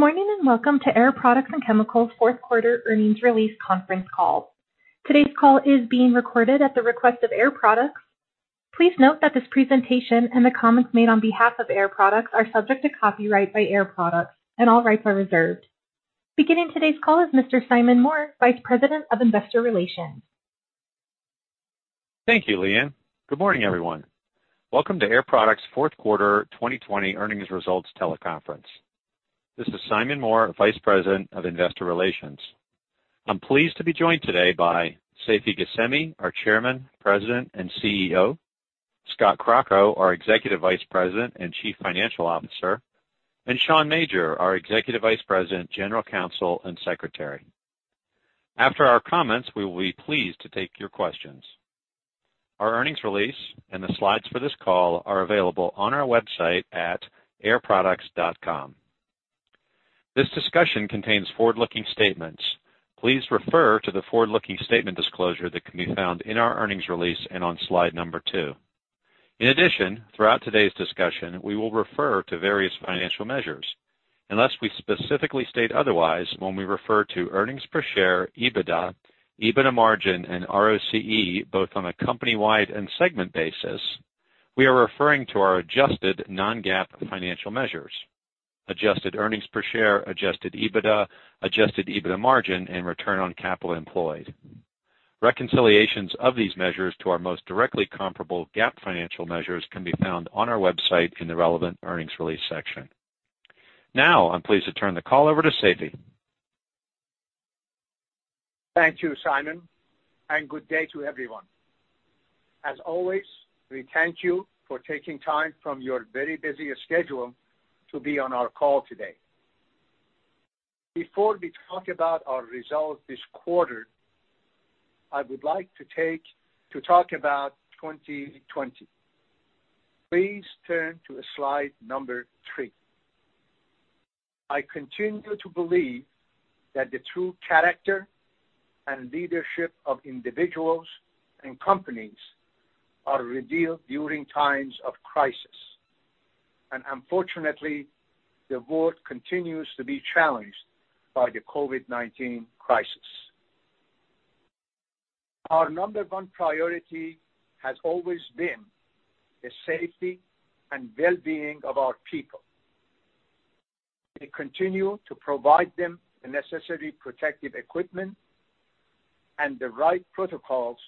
Good morning, and welcome to Air Products and Chemicals Q4 earnings release conference call. Today's call is being recorded at the request of Air Products. Please note that this presentation and the comments made on behalf of Air Products are subject to copyright by Air Products, and all rights are reserved. Beginning today's call is Mr. Simon Moore, Vice President of Investor Relations. Thank you, Leanne. Good morning, everyone. Welcome to Air Products' Q4 2020 earnings results teleconference. This is Simon Moore, Vice President of Investor Relations. I'm pleased to be joined today by Seifi Ghasemi, our Chairman, President, and CEO, Scott Crocco, our Executive Vice President and Chief Financial Officer, and Sean Major, our Executive Vice President, General Counsel, and Secretary. After our comments, we will be pleased to take your questions. Our earnings release and the slides for this call are available on our website at airproducts.com. This discussion contains forward-looking statements. Please refer to the forward-looking statement disclosure that can be found in our earnings release and on slide number two. In addition, throughout today's discussion, we will refer to various financial measures. Unless we specifically state otherwise, when we refer to earnings per share, EBITDA margin, and ROCE, both on a company-wide and segment basis, we are referring to our adjusted non-GAAP financial measures, adjusted earnings per share, adjusted EBITDA, adjusted EBITDA margin, and return on capital employed. Reconciliations of these measures to our most directly comparable GAAP financial measures can be found on our website in the relevant earnings release section. Now, I'm pleased to turn the call over to Seifi. Thank you, Simon, good day to everyone. As always, we thank you for taking time from your very busy schedule to be on our call today. Before we talk about our results this quarter, I would like to talk about 2020. Please turn to slide number three. I continue to believe that the true character and leadership of individuals and companies are revealed during times of crisis. Unfortunately, the world continues to be challenged by the COVID-19 crisis. Our number one priority has always been the safety and well-being of our people. We continue to provide them the necessary protective equipment and the right protocols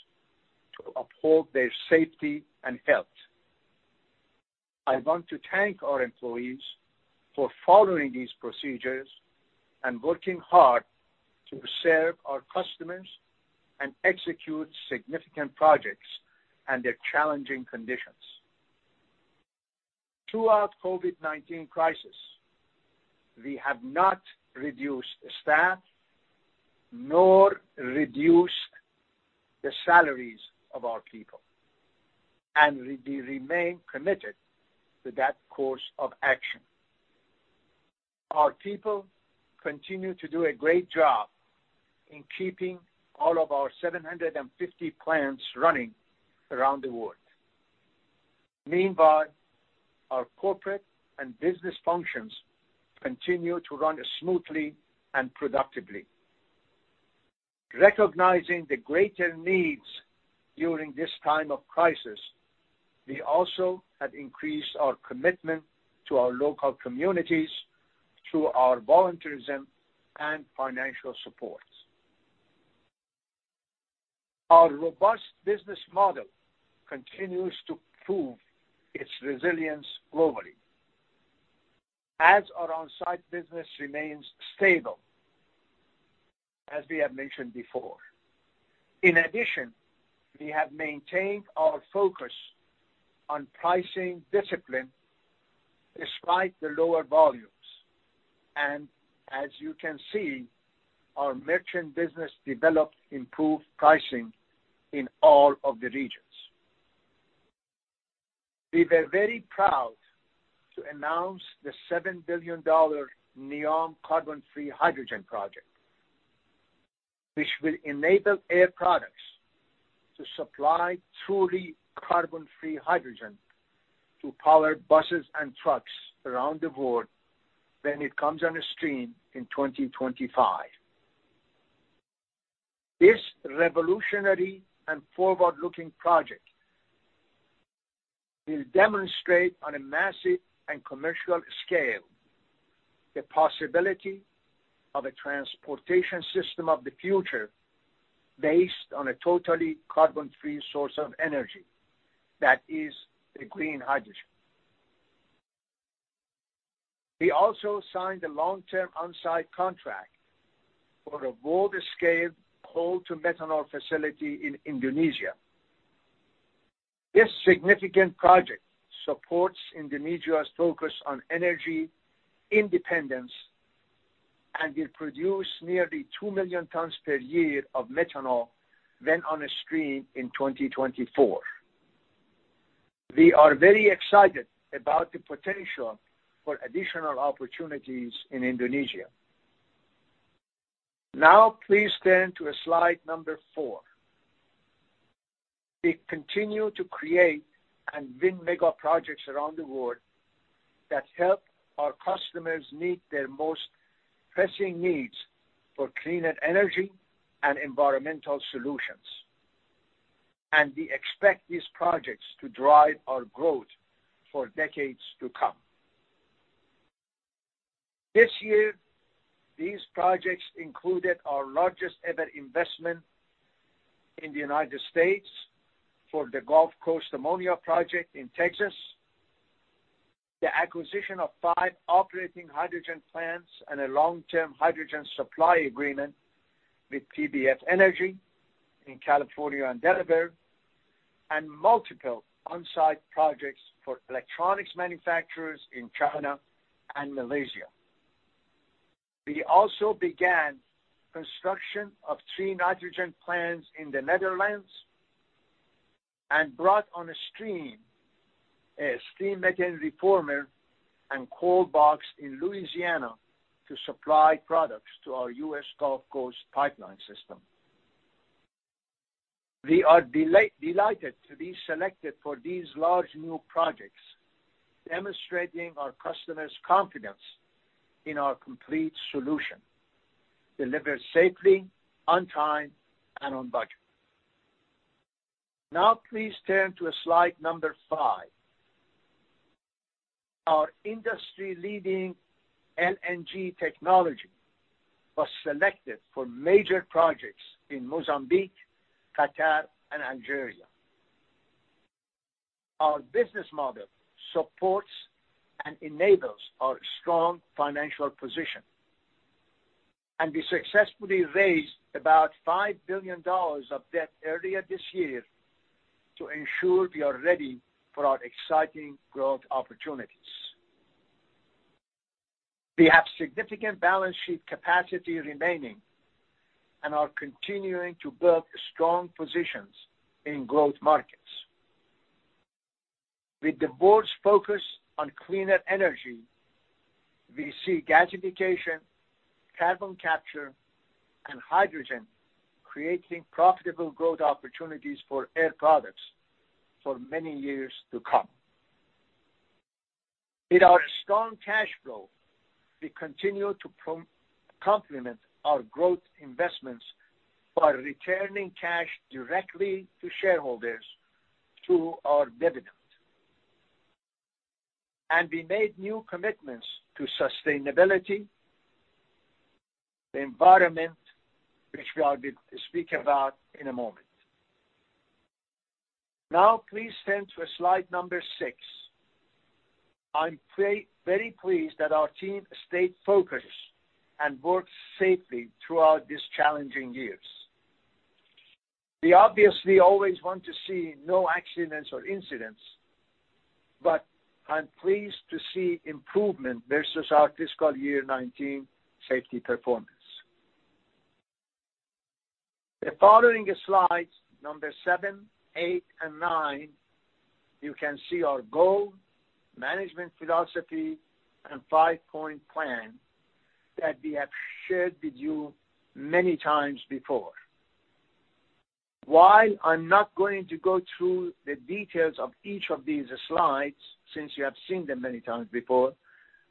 to uphold their safety and health. I want to thank our employees for following these procedures and working hard to serve our customers and execute significant projects under challenging conditions. Throughout COVID-19 crisis, we have not reduced staff, nor reduced the salaries of our people. We remain committed to that course of action. Our people continue to do a great job in keeping all of our 750 plants running around the world. Meanwhile, our corporate and business functions continue to run smoothly and productively. Recognizing the greater needs during this time of crisis, we also have increased our commitment to our local communities through our volunteerism and financial support. Our robust business model continues to prove its resilience globally. Our on-site business remains stable, as we have mentioned before. In addition, we have maintained our focus on pricing discipline despite the lower volumes. As you can see, our merchant business developed improved pricing in all of the regions. We were very proud to announce the $7 billion NEOM carbon-free hydrogen project, which will enable Air Products to supply truly carbon-free hydrogen to power buses and trucks around the world when it comes on stream in 2025. This revolutionary and forward-looking project will demonstrate on a massive and commercial scale the possibility of a transportation system of the future based on a totally carbon-free source of energy, that is the green hydrogen. We also signed a long-term on-site contract for a world-scale coal-to-methanol facility in Indonesia. This significant project supports Indonesia's focus on energy independence and will produce nearly 2 million tons per year of methanol when on stream in 2024. We are very excited about the potential for additional opportunities in Indonesia. Now please turn to slide number four. We continue to create and win mega projects around the world that help our customers meet their most pressing needs for cleaner energy and environmental solutions. We expect these projects to drive our growth for decades to come. This year, these projects included our largest ever investment in the U.S. for the Gulf Coast Ammonia project in Texas, the acquisition of five operating hydrogen plants, and a long-term hydrogen supply agreement with PBF Energy in California and Delaware, and multiple on-site projects for electronics manufacturers in China and Malaysia. We also began construction of three nitrogen plants in the Netherlands and brought on stream a steam methane reformer and cold box in Louisiana to supply products to our U.S. Gulf Coast pipeline system. We are delighted to be selected for these large new projects, demonstrating our customers' confidence in our complete solution, delivered safely, on time, and on budget. Now please turn to slide number five. Our industry-leading LNG technology was selected for major projects in Mozambique, Qatar, and Algeria. Our business model supports and enables our strong financial position, and we successfully raised about $5 billion of debt earlier this year to ensure we are ready for our exciting growth opportunities. We have significant balance sheet capacity remaining and are continuing to build strong positions in growth markets. With the board's focus on cleaner energy, we see gasification, carbon capture, and hydrogen creating profitable growth opportunities for Air Products for many years to come. With our strong cash flow, we continue to complement our growth investments by returning cash directly to shareholders through our dividend. We made new commitments to sustainability, the environment, which we are speak about in a moment. Please turn to slide number six. I'm very pleased that our team stayed focused and worked safely throughout these challenging years. We obviously always want to see no accidents or incidents, but I'm pleased to see improvement versus our fiscal year 2019 safety performance. The following slides, number seven, eight, and nine, you can see our goal, management philosophy, and five-point plan that we have shared with you many times before. While I'm not going to go through the details of each of these slides, since you have seen them many times before,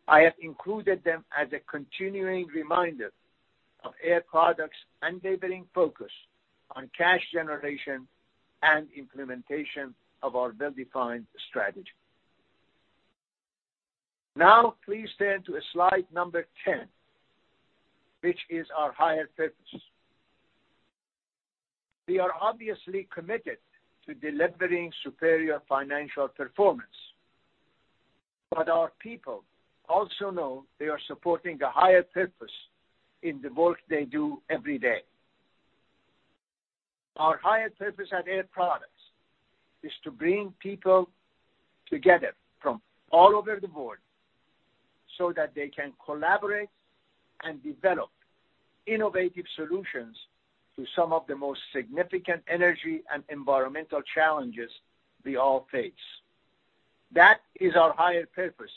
I have included them as a continuing reminder of Air Products' unwavering focus on cash generation and implementation of our well-defined strategy. Please turn to slide number 10, which is our higher purpose. We are obviously committed to delivering superior financial performance, but our people also know they are supporting a higher purpose in the work they do every day. Our higher purpose at Air Products is to bring people together from all over the world so that they can collaborate and develop innovative solutions to some of the most significant energy and environmental challenges we all face. That is our higher purpose,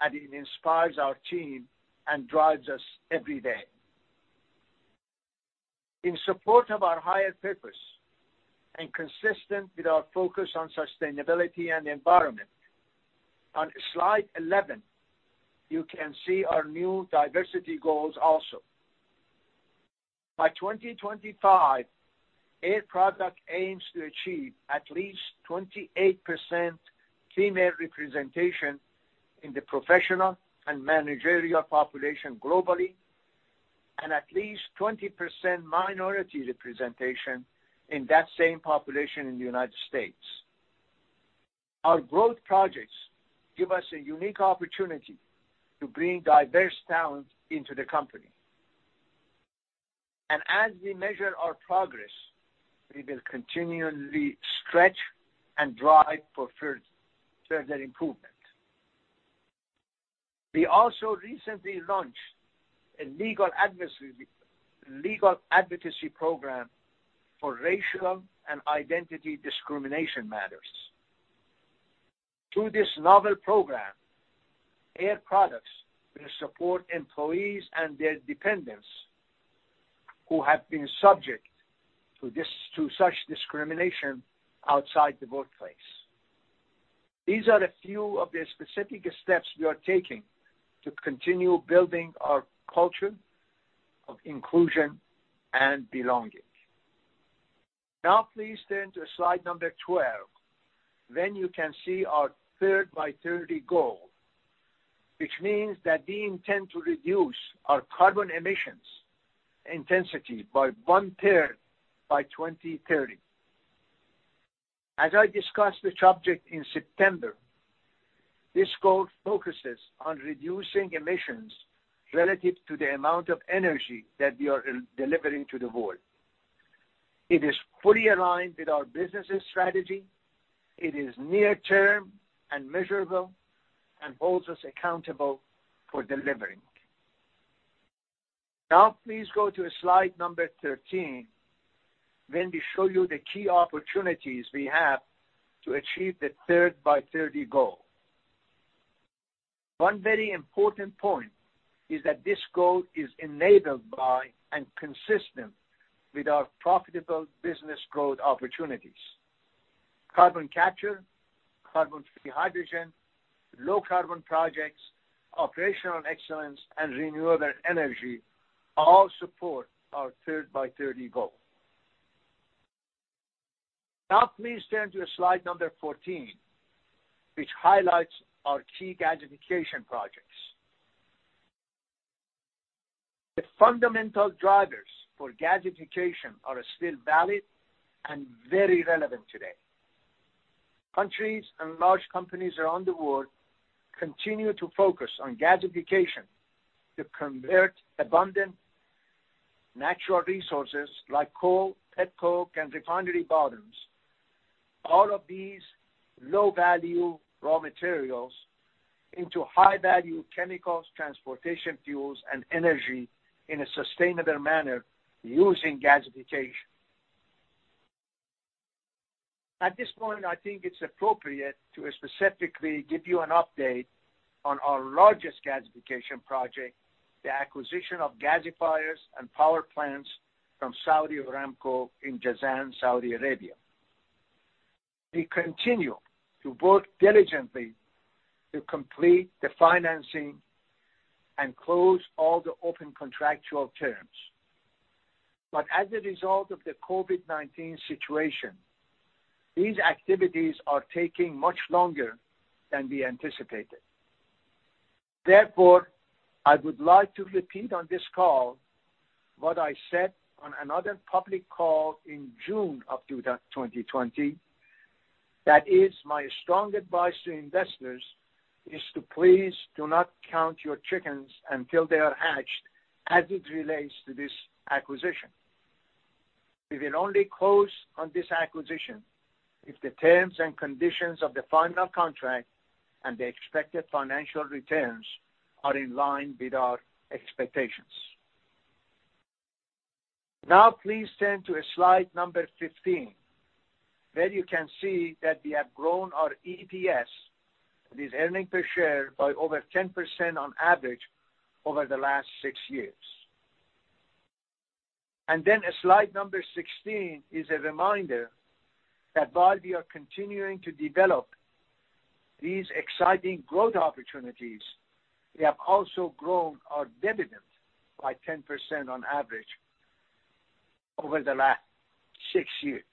and it inspires our team and drives us every day. In support of our higher purpose and consistent with our focus on sustainability and environment, on slide 11, you can see our new diversity goals also. By 2025, Air Products aims to achieve at least 28% female representation in the professional and managerial population globally and at least 20% minority representation in that same population in the U.S. Our growth projects give us a unique opportunity to bring diverse talent into the company. As we measure our progress, we will continually stretch and drive for further improvement. We also recently launched a legal advocacy program for racial and identity discrimination matters. Through this novel program, Air Products will support employees and their dependents who have been subject to such discrimination outside the workplace. These are a few of the specific steps we are taking to continue building our culture of inclusion and belonging. Please turn to slide number 12. You can see our Third by 30 goal, which means that we intend to reduce our carbon emissions intensity by one-third by 2030. As I discussed the subject in September, this goal focuses on reducing emissions relative to the amount of energy that we are delivering to the world. It is fully aligned with our business strategy. It is near term and measurable and holds us accountable for delivering. Please go to slide 13, where we show you the key opportunities we have to achieve the Third by 30 goal. One very important point is that this goal is enabled by and consistent with our profitable business growth opportunities. Carbon capture, carbon-free hydrogen, low carbon projects, operational excellence, and renewable energy all support our Third by 30 goal. Please turn to slide 14, which highlights our key gasification projects. The fundamental drivers for gasification are still valid and very relevant today. Countries and large companies around the world continue to focus on gasification to convert abundant natural resources like coal, petcoke, and refinery bottoms, all of these low-value raw materials into high-value chemicals, transportation fuels, and energy in a sustainable manner using gasification. At this point, I think it's appropriate to specifically give you an update on our largest gasification project, the acquisition of gasifiers and power plants from Saudi Aramco in Jazan, Saudi Arabia. We continue to work diligently to complete the financing and close all the open contractual terms. As a result of the COVID-19 situation, these activities are taking much longer than we anticipated. Therefore, I would like to repeat on this call what I said on another public call in June of 2020. That is my strong advice to investors is to please do not count your chickens until they are hatched as it relates to this acquisition. We will only close on this acquisition if the terms and conditions of the final contract and the expected financial returns are in line with our expectations. Now please turn to slide number 15, where you can see that we have grown our EPS, that is earnings per share, by over 10% on average over the last six years. Then slide number 16 is a reminder that while we are continuing to develop these exciting growth opportunities, we have also grown our dividend by 10% on average over the last six years.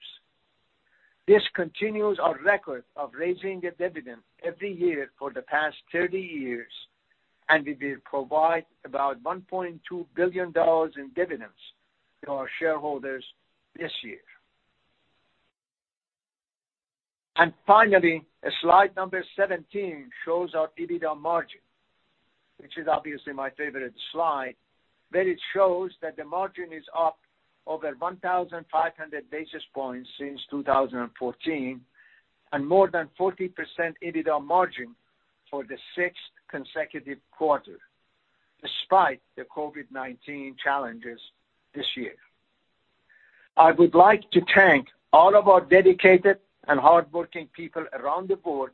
This continues our record of raising the dividend every year for the past 30 years, and we will provide about $1.2 billion in dividends to our shareholders this year. Finally, slide number 17 shows our EBITDA margin, which is obviously my favorite slide, where it shows that the margin is up over 1,500 basis points since 2014 and more than 40% EBITDA margin for the sixth consecutive quarter, despite the COVID-19 challenges this year. I would like to thank all of our dedicated and hardworking people around the world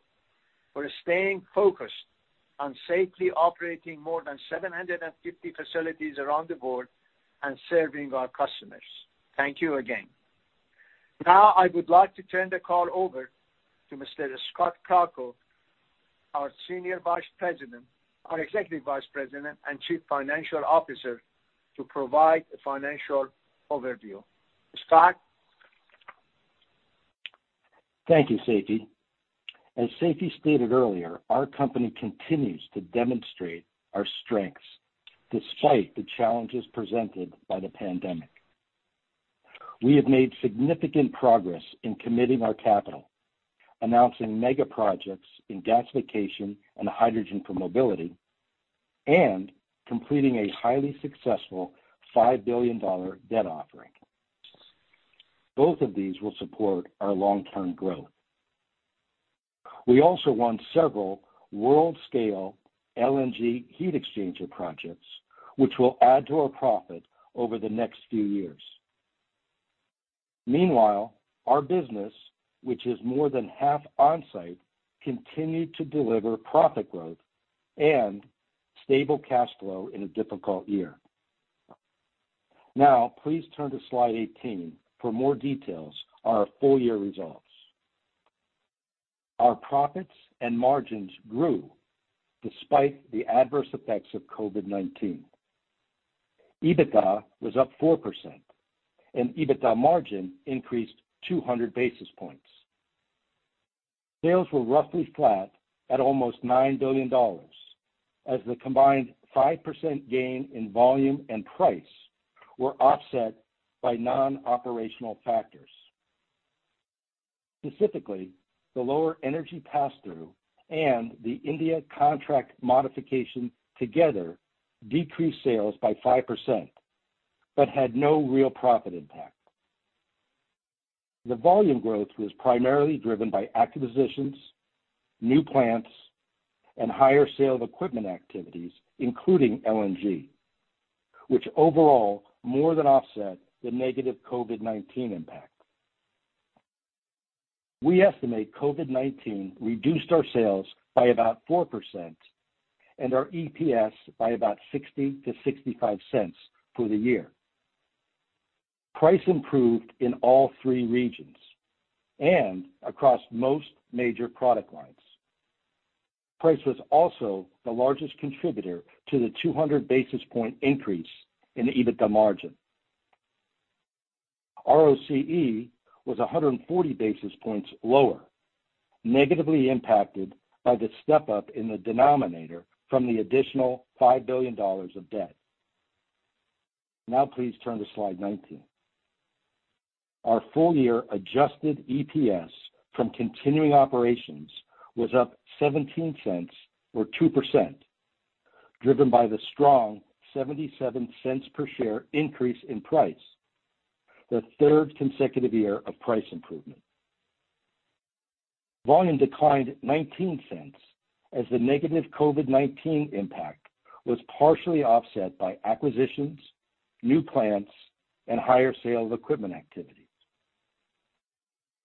for staying focused on safely operating more than 750 facilities around the world and serving our customers. Thank you again. Now I would like to turn the call over to Mr. Scott Crocco, our Executive Vice President and Chief Financial Officer, to provide a financial overview. Scott? Thank you, Seifi. As Seifi stated earlier, our company continues to demonstrate our strengths despite the challenges presented by the pandemic. We have made significant progress in committing our capital, announcing mega projects in gasification and hydrogen for mobility, and completing a highly successful $5 billion debt offering. Both of these will support our long-term growth. We also won several world-scale LNG heat exchanger projects, which will add to our profit over the next few years. Our business, which is more than half on-site, continued to deliver profit growth and stable cash flow in a difficult year. Please turn to slide 18 for more details on our full-year results. Our profits and margins grew despite the adverse effects of COVID-19. EBITDA was up 4% and EBITDA margin increased 200 basis points. Sales were roughly flat at almost $9 billion as the combined 5% gain in volume and price were offset by non-operational factors. Specifically, the lower energy passthrough and the India contract modification together decreased sales by 5% but had no real profit impact. The volume growth was primarily driven by acquisitions, new plants, and higher sale of equipment activities, including LNG, which overall more than offset the negative COVID-19 impact. We estimate COVID-19 reduced our sales by about 4% and our EPS by about $0.60-$0.65 for the year. Price improved in all three regions and across most major product lines. Price was also the largest contributor to the 200 basis point increase in EBITDA margin. ROCE was 140 basis points lower, negatively impacted by the step-up in the denominator from the additional $5 billion of debt. Now please turn to slide 19. Our full-year adjusted EPS from continuing operations was up $0.17 or 2%, driven by the strong $0.77 per share increase in price, the third consecutive year of price improvement. Volume declined $0.19 as the negative COVID-19 impact was partially offset by acquisitions, new plants, and higher sale of equipment activities.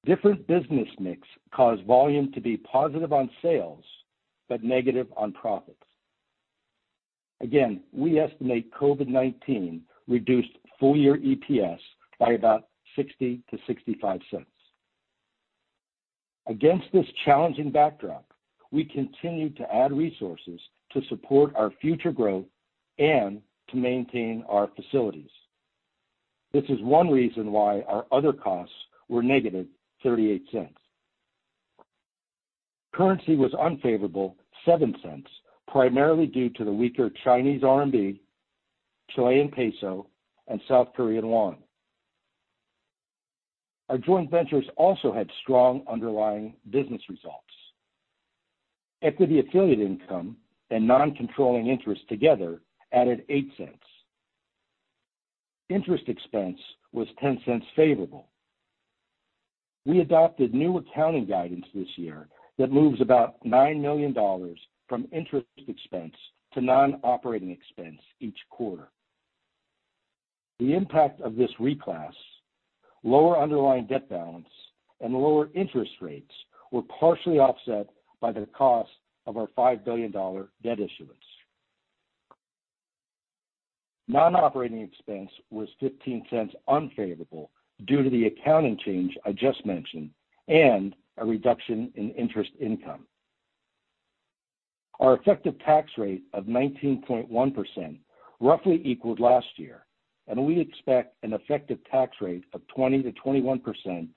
Different business mix caused volume to be positive on sales but negative on profits. Again, we estimate COVID-19 reduced full-year EPS by about $0.60-$0.65. Against this challenging backdrop, we continued to add resources to support our future growth and to maintain our facilities. This is one reason why our other costs were negative $0.38. Currency was unfavorable, $0.07, primarily due to the weaker Chinese RMB, Chilean peso, and South Korean won. Our joint ventures also had strong underlying business results. Equity affiliate income and non-controlling interests together added $0.08. Interest expense was $0.10 favorable. We adopted new accounting guidance this year that moves about $9 million from interest expense to non-operating expense each quarter. The impact of this reclass, lower underlying debt balance, and lower interest rates were partially offset by the cost of our $5 billion debt issuance. Non-operating expense was $0.15 unfavorable due to the accounting change I just mentioned and a reduction in interest income. Our effective tax rate of 19.1% roughly equaled last year. We expect an effective tax rate of 20%-21%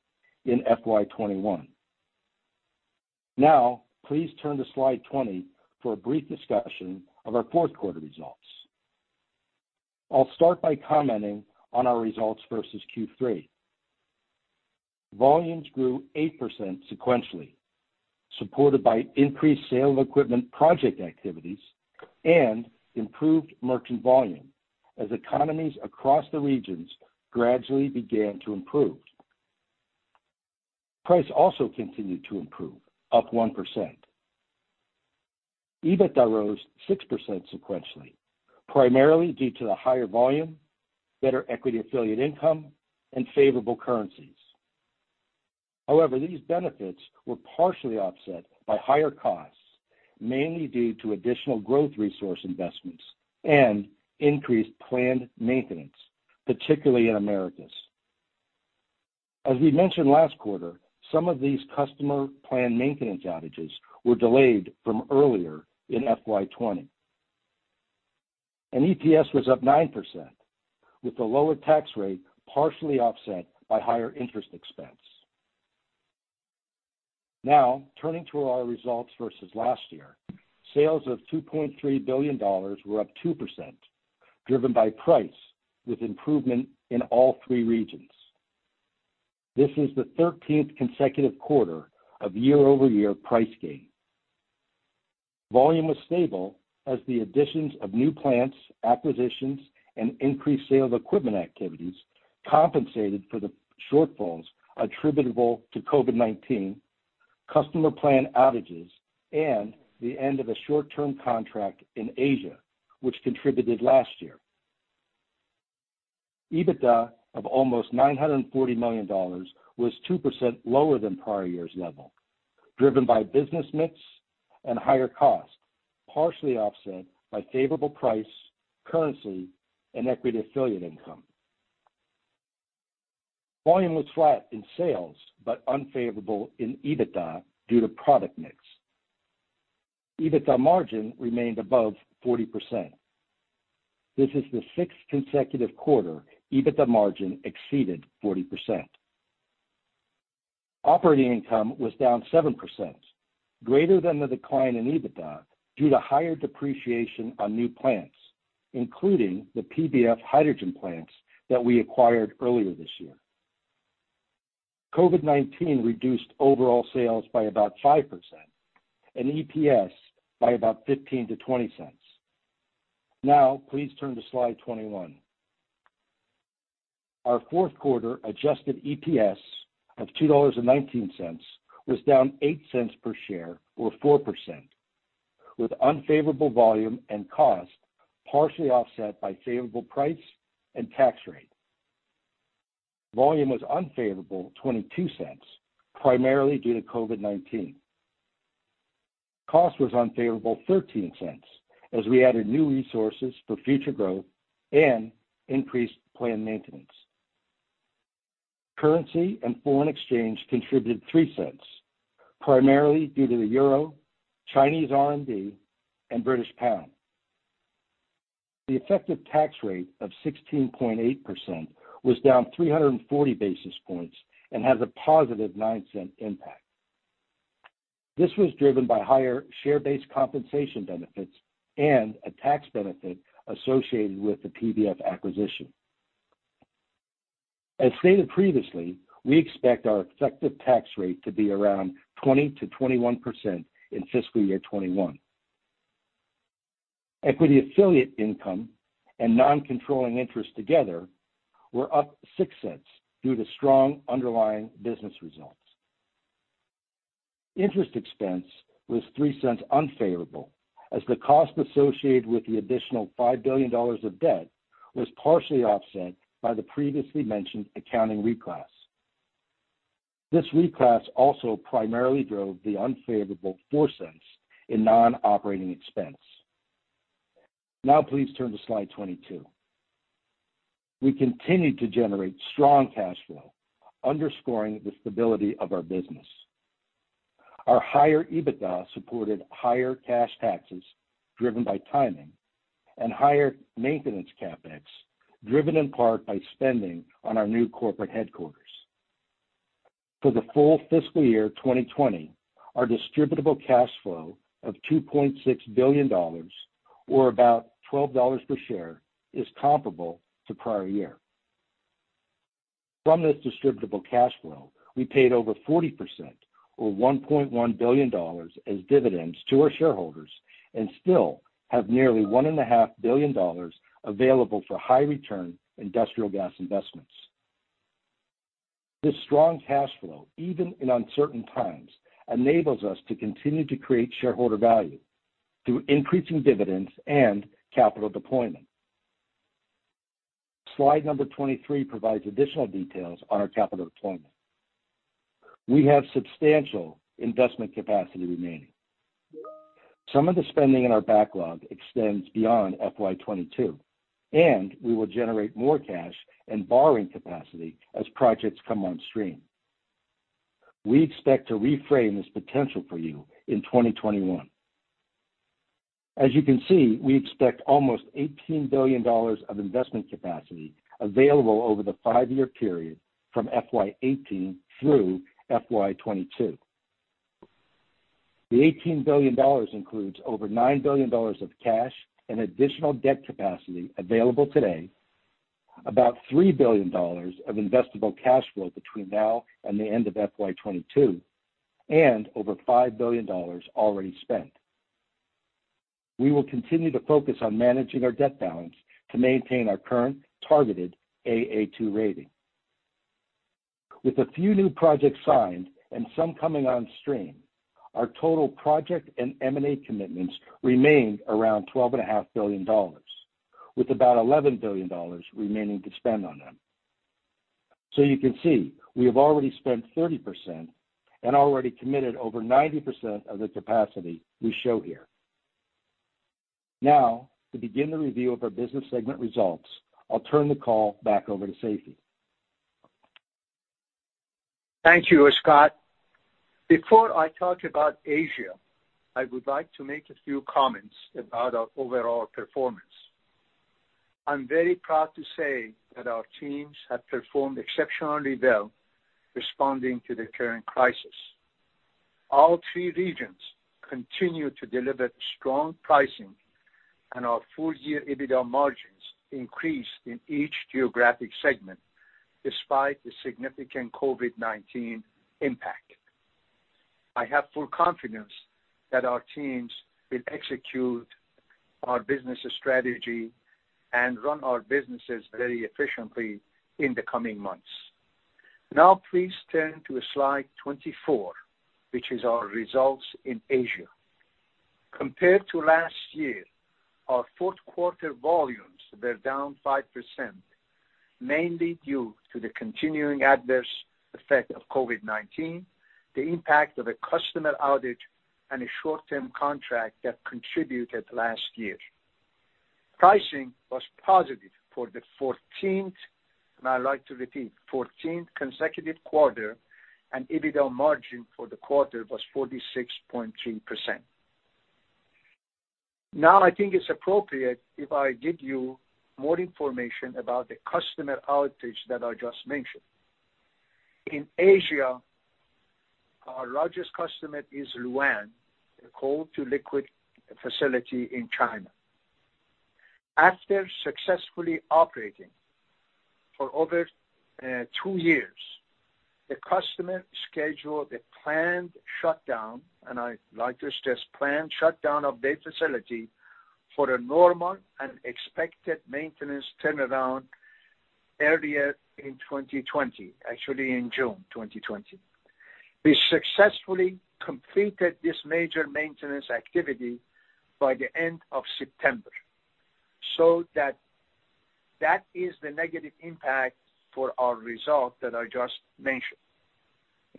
in FY 2021. Please turn to slide 20 for a brief discussion of our Q4 results. I'll start by commenting on our results versus Q3. Volumes grew 8% sequentially, supported by increased sale of equipment project activities and improved merchant volume as economies across the regions gradually began to improve. Price also continued to improve, up 1%. EBITDA rose 6% sequentially, primarily due to the higher volume, better equity affiliate income, and favorable currencies. However, these benefits were partially offset by higher costs, mainly due to additional growth resource investments and increased planned maintenance, particularly in Americas. As we mentioned last quarter, some of these customer planned maintenance outages were delayed from earlier in FY 2020. EPS was up 9%, with the lower tax rate partially offset by higher interest expense. Now turning to our results versus last year, sales of $2.3 billion were up 2%, driven by price with improvement in all three regions. This is the 13th consecutive quarter of year-over-year price gain. Volume was stable as the additions of new plants, acquisitions, and increased sale of equipment activities compensated for the shortfalls attributable to COVID-19, customer plan outages, and the end of a short-term contract in Asia, which contributed last year. EBITDA of almost $940 million was 2% lower than prior year's level, driven by business mix and higher costs, partially offset by favorable price, currency, and equity affiliate income. Volume was flat in sales but unfavorable in EBITDA due to product mix. EBITDA margin remained above 40%. This is the sixth consecutive quarter EBITDA margin exceeded 40%. Operating income was down 7%, greater than the decline in EBITDA due to higher depreciation on new plants, including the PBF hydrogen plants that we acquired earlier this year. COVID-19 reduced overall sales by about 5%, and EPS by about $0.15-$0.20. Now, please turn to slide 21. Our Q4 adjusted EPS of $2.19 was down $0.08 per share or 4%, with unfavorable volume and cost partially offset by favorable price and tax rate. Volume was unfavorable $0.22, primarily due to COVID-19. Cost was unfavorable $0.13 as we added new resources for future growth and increased plant maintenance. Currency and foreign exchange contributed $0.03, primarily due to the euro, Chinese RMB, and British pound. The effective tax rate of 16.8% was down 340 basis points and has a positive $0.09 impact. This was driven by higher share-based compensation benefits and a tax benefit associated with the PBF acquisition. As stated previously, we expect our effective tax rate to be around 20%-21% in fiscal year 2021. Equity affiliate income and non-controlling interests together were up $0.06 due to strong underlying business results. Interest expense was $0.03 unfavorable as the cost associated with the additional $5 billion of debt was partially offset by the previously mentioned accounting reclass. This reclass also primarily drove the unfavorable $0.04 in non-operating expense. Now please turn to slide 22. We continued to generate strong cash flow, underscoring the stability of our business. Our higher EBITDA supported higher cash taxes driven by timing and higher maintenance CapEx, driven in part by spending on our new corporate headquarters. For the full fiscal year 2020, our distributable cash flow of $2.6 billion, or about $12 per share, is comparable to prior year. From this distributable cash flow, we paid over 40%, or $1.1 billion as dividends to our shareholders and still have nearly $1.5 billion available for high return industrial gas investments. This strong cash flow, even in uncertain times, enables us to continue to create shareholder value through increasing dividends and capital deployment. Slide number 23 provides additional details on our capital deployment. We have substantial investment capacity remaining. Some of the spending in our backlog extends beyond FY 2022, and we will generate more cash and borrowing capacity as projects come on stream. We expect to reframe this potential for you in 2021. As you can see, we expect almost $18 billion of investment capacity available over the five-year period from FY 2018 through FY 2022. The $18 billion includes over $9 billion of cash and additional debt capacity available today, about $3 billion of investable cash flow between now and the end of FY 2022, and over $5 billion already spent. We will continue to focus on managing our debt balance to maintain our current targeted Aa2 rating. With a few new projects signed and some coming on stream, our total project and M&A commitments remain around $12.5 billion, with about $11 billion remaining to spend on them. You can see we have already spent 30% and already committed over 90% of the capacity we show here. To begin the review of our business segment results, I'll turn the call back over to Seifi. Thank you, Scott. Before I talk about Asia, I would like to make a few comments about our overall performance. I'm very proud to say that our teams have performed exceptionally well responding to the current crisis. All three regions continue to deliver strong pricing, and our full year EBITDA margins increased in each geographic segment despite the significant COVID-19 impact. I have full confidence that our teams will execute our business strategy and run our businesses very efficiently in the coming months. Please turn to slide 24, which is our results in Asia. Compared to last year, our fourth quarter volumes were down 5%, mainly due to the continuing adverse effect of COVID-19, the impact of a customer outage, and a short-term contract that contributed last year. Pricing was positive for the 14th, and I like to repeat, 14th consecutive quarter, and EBITDA margin for the quarter was 46.3%. I think it's appropriate if I give you more information about the customer outage that I just mentioned. In Asia, our largest customer is Lu'an, a coal to liquid facility in China. After successfully operating for over two years, the customer scheduled a planned shutdown, and I like to stress planned shutdown of their facility for a normal and expected maintenance turnaround earlier in 2020, actually in June 2020. We successfully completed this major maintenance activity by the end of September. That is the negative impact for our result that I just mentioned.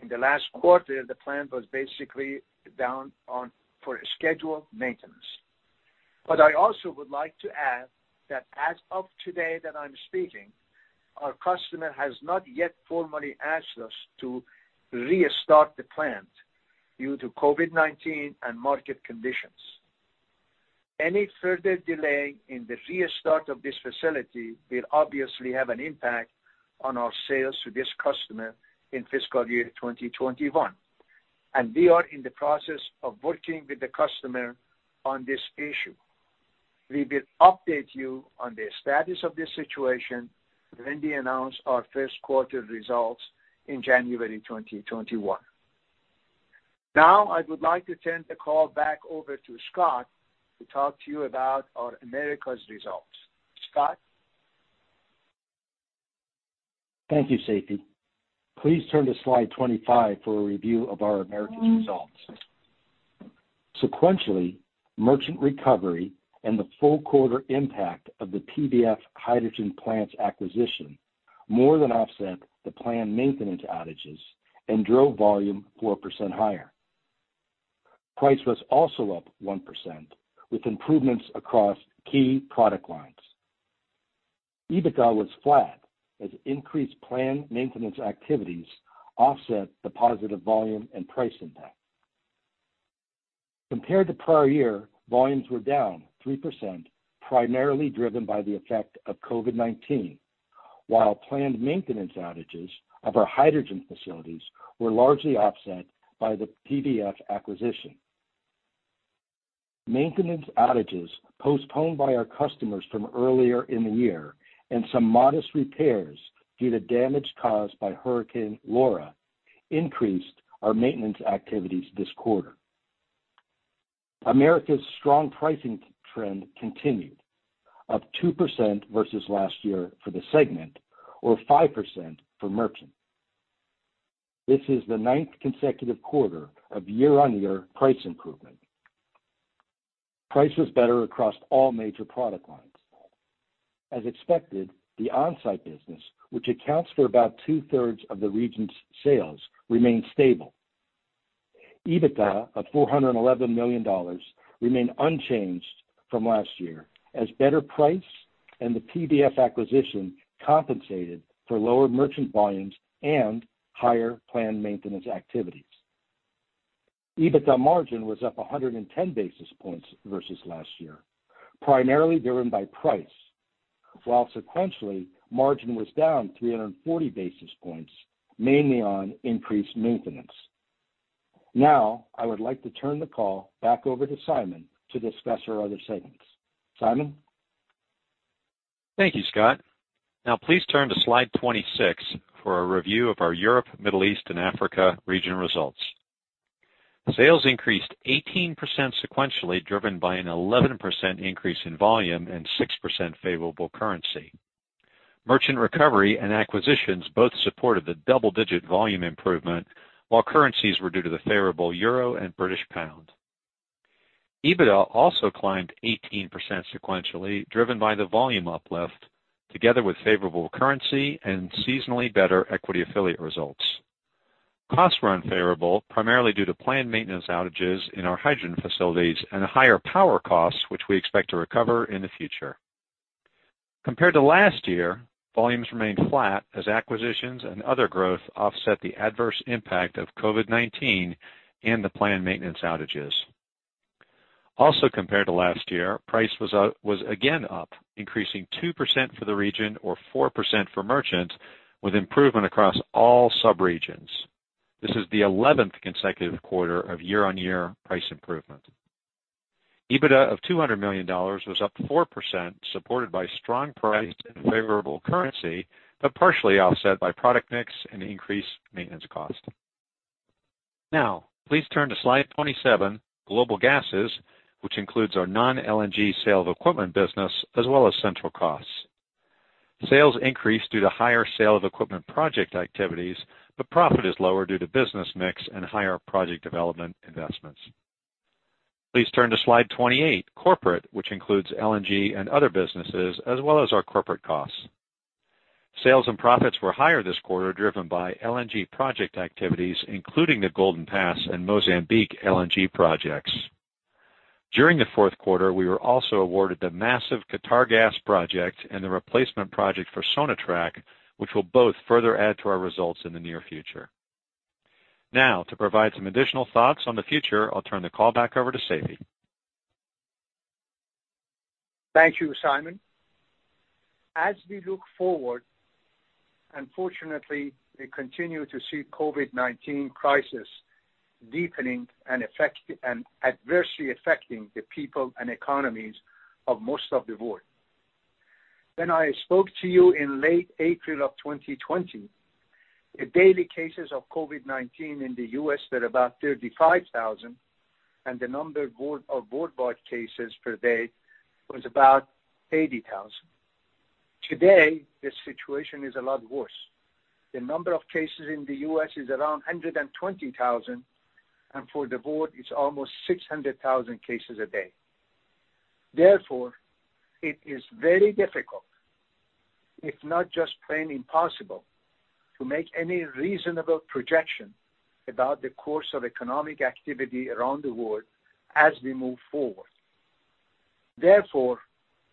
In the last quarter, the plant was basically down for a scheduled maintenance. I also would like to add that as of today that I'm speaking, our customer has not yet formally asked us to restart the plant due to COVID-19 and market conditions. Any further delay in the restart of this facility will obviously have an impact on our sales to this customer in fiscal year 2021, and we are in the process of working with the customer on this issue. We will update you on the status of this situation when we announce our Q1 results in January 2021. Now I would like to turn the call back over to Scott to talk to you about our Americas results. Scott? Thank you, Seifi. Please turn to slide 25 for a review of our Americas results. Sequentially, merchant recovery and the full quarter impact of the PBFhydrogen plant's acquisition more than offset the planned maintenance outages and drove volume 4% higher. Price was also up 1%, with improvements across key product lines. EBITDA was flat as increased planned maintenance activities offset the positive volume and price impact. Compared to prior year, volumes were down 3%, primarily driven by the effect of COVID-19, while planned maintenance outages of our hydrogen facilities were largely offset by the PBF acquisition. Maintenance outages postponed by our customers from earlier in the year and some modest repairs due to damage caused by Hurricane Laura increased our maintenance activities this quarter. America's strong pricing trend continued, up 2% versus last year for the segment, or 5% for merchant. This is the ninth consecutive quarter of year-on-year price improvement. Price was better across all major product lines. As expected, the on-site business, which accounts for about two-thirds of the region's sales, remained stable. EBITDA of $411 million remained unchanged from last year as better price and the PBF acquisition compensated for lower merchant volumes and higher planned maintenance activities. EBITDA margin was up 110 basis points versus last year, primarily driven by price, while sequentially, margin was down 340 basis points, mainly on increased maintenance. Now, I would like to turn the call back over to Simon to discuss our other segments. Simon? Thank you, Scott. Now please turn to slide 26 for a review of our Europe, Middle East, and Africa region results. Sales increased 18% sequentially, driven by an 11% increase in volume and 6% favorable currency. Merchant recovery and acquisitions both supported the double-digit volume improvement, while currencies were due to the favorable euro and British pound. EBITDA also climbed 18% sequentially, driven by the volume uplift together with favorable currency and seasonally better equity affiliate results. Costs were unfavorable, primarily due to planned maintenance outages in our hydrogen facilities and higher power costs, which we expect to recover in the future. Compared to last year, volumes remained flat as acquisitions and other growth offset the adverse impact of COVID-19 and the planned maintenance outages. Also compared to last year, price was again up, increasing 2% for the region or 4% for merchants with improvement across all subregions. This is the 11th consecutive quarter of year-on-year price improvement. EBITDA of $200 million was up 4%, supported by strong price and favorable currency, but partially offset by product mix and increased maintenance cost. Please turn to slide 27, Global Gases, which includes our non-LNG sale of equipment business as well as central costs. Sales increased due to higher sale of equipment project activities, but profit is lower due to business mix and higher project development investments. Please turn to slide 28, Corporate, which includes LNG and other businesses, as well as our corporate costs. Sales and profits were higher this quarter, driven by LNG project activities, including the Golden Pass and Mozambique LNG projects. During Q4, we were also awarded the massive Qatargas project and the replacement project for Sonatrach, which will both further add to our results in the near future. Now, to provide some additional thoughts on the future, I'll turn the call back over to Seifi. Thank you, Simon. As we look forward, unfortunately, we continue to see COVID-19 crisis deepening and adversely affecting the people and economies of most of the world. When I spoke to you in late April of 2020, the daily cases of COVID-19 in the U.S. were about 35,000, and the number of worldwide cases per day was about 80,000. Today, the situation is a lot worse. The number of cases in the U.S. is around 120,000, and for the world, it's almost 600,000 cases a day. It is very difficult, if not just plain impossible, to make any reasonable projection about the course of economic activity around the world as we move forward.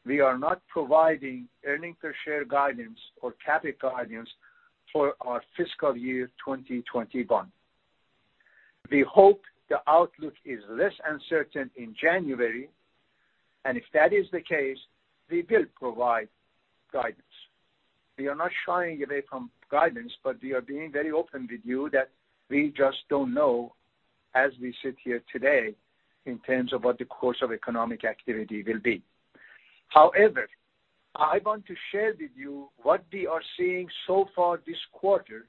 We are not providing earnings per share guidance or CapEx guidance for our fiscal year 2021. We hope the outlook is less uncertain in January, and if that is the case, we will provide guidance. We are not shying away from guidance, but we are being very open with you that we just don't know as we sit here today in terms of what the course of economic activity will be. However, I want to share with you what we are seeing so far this quarter,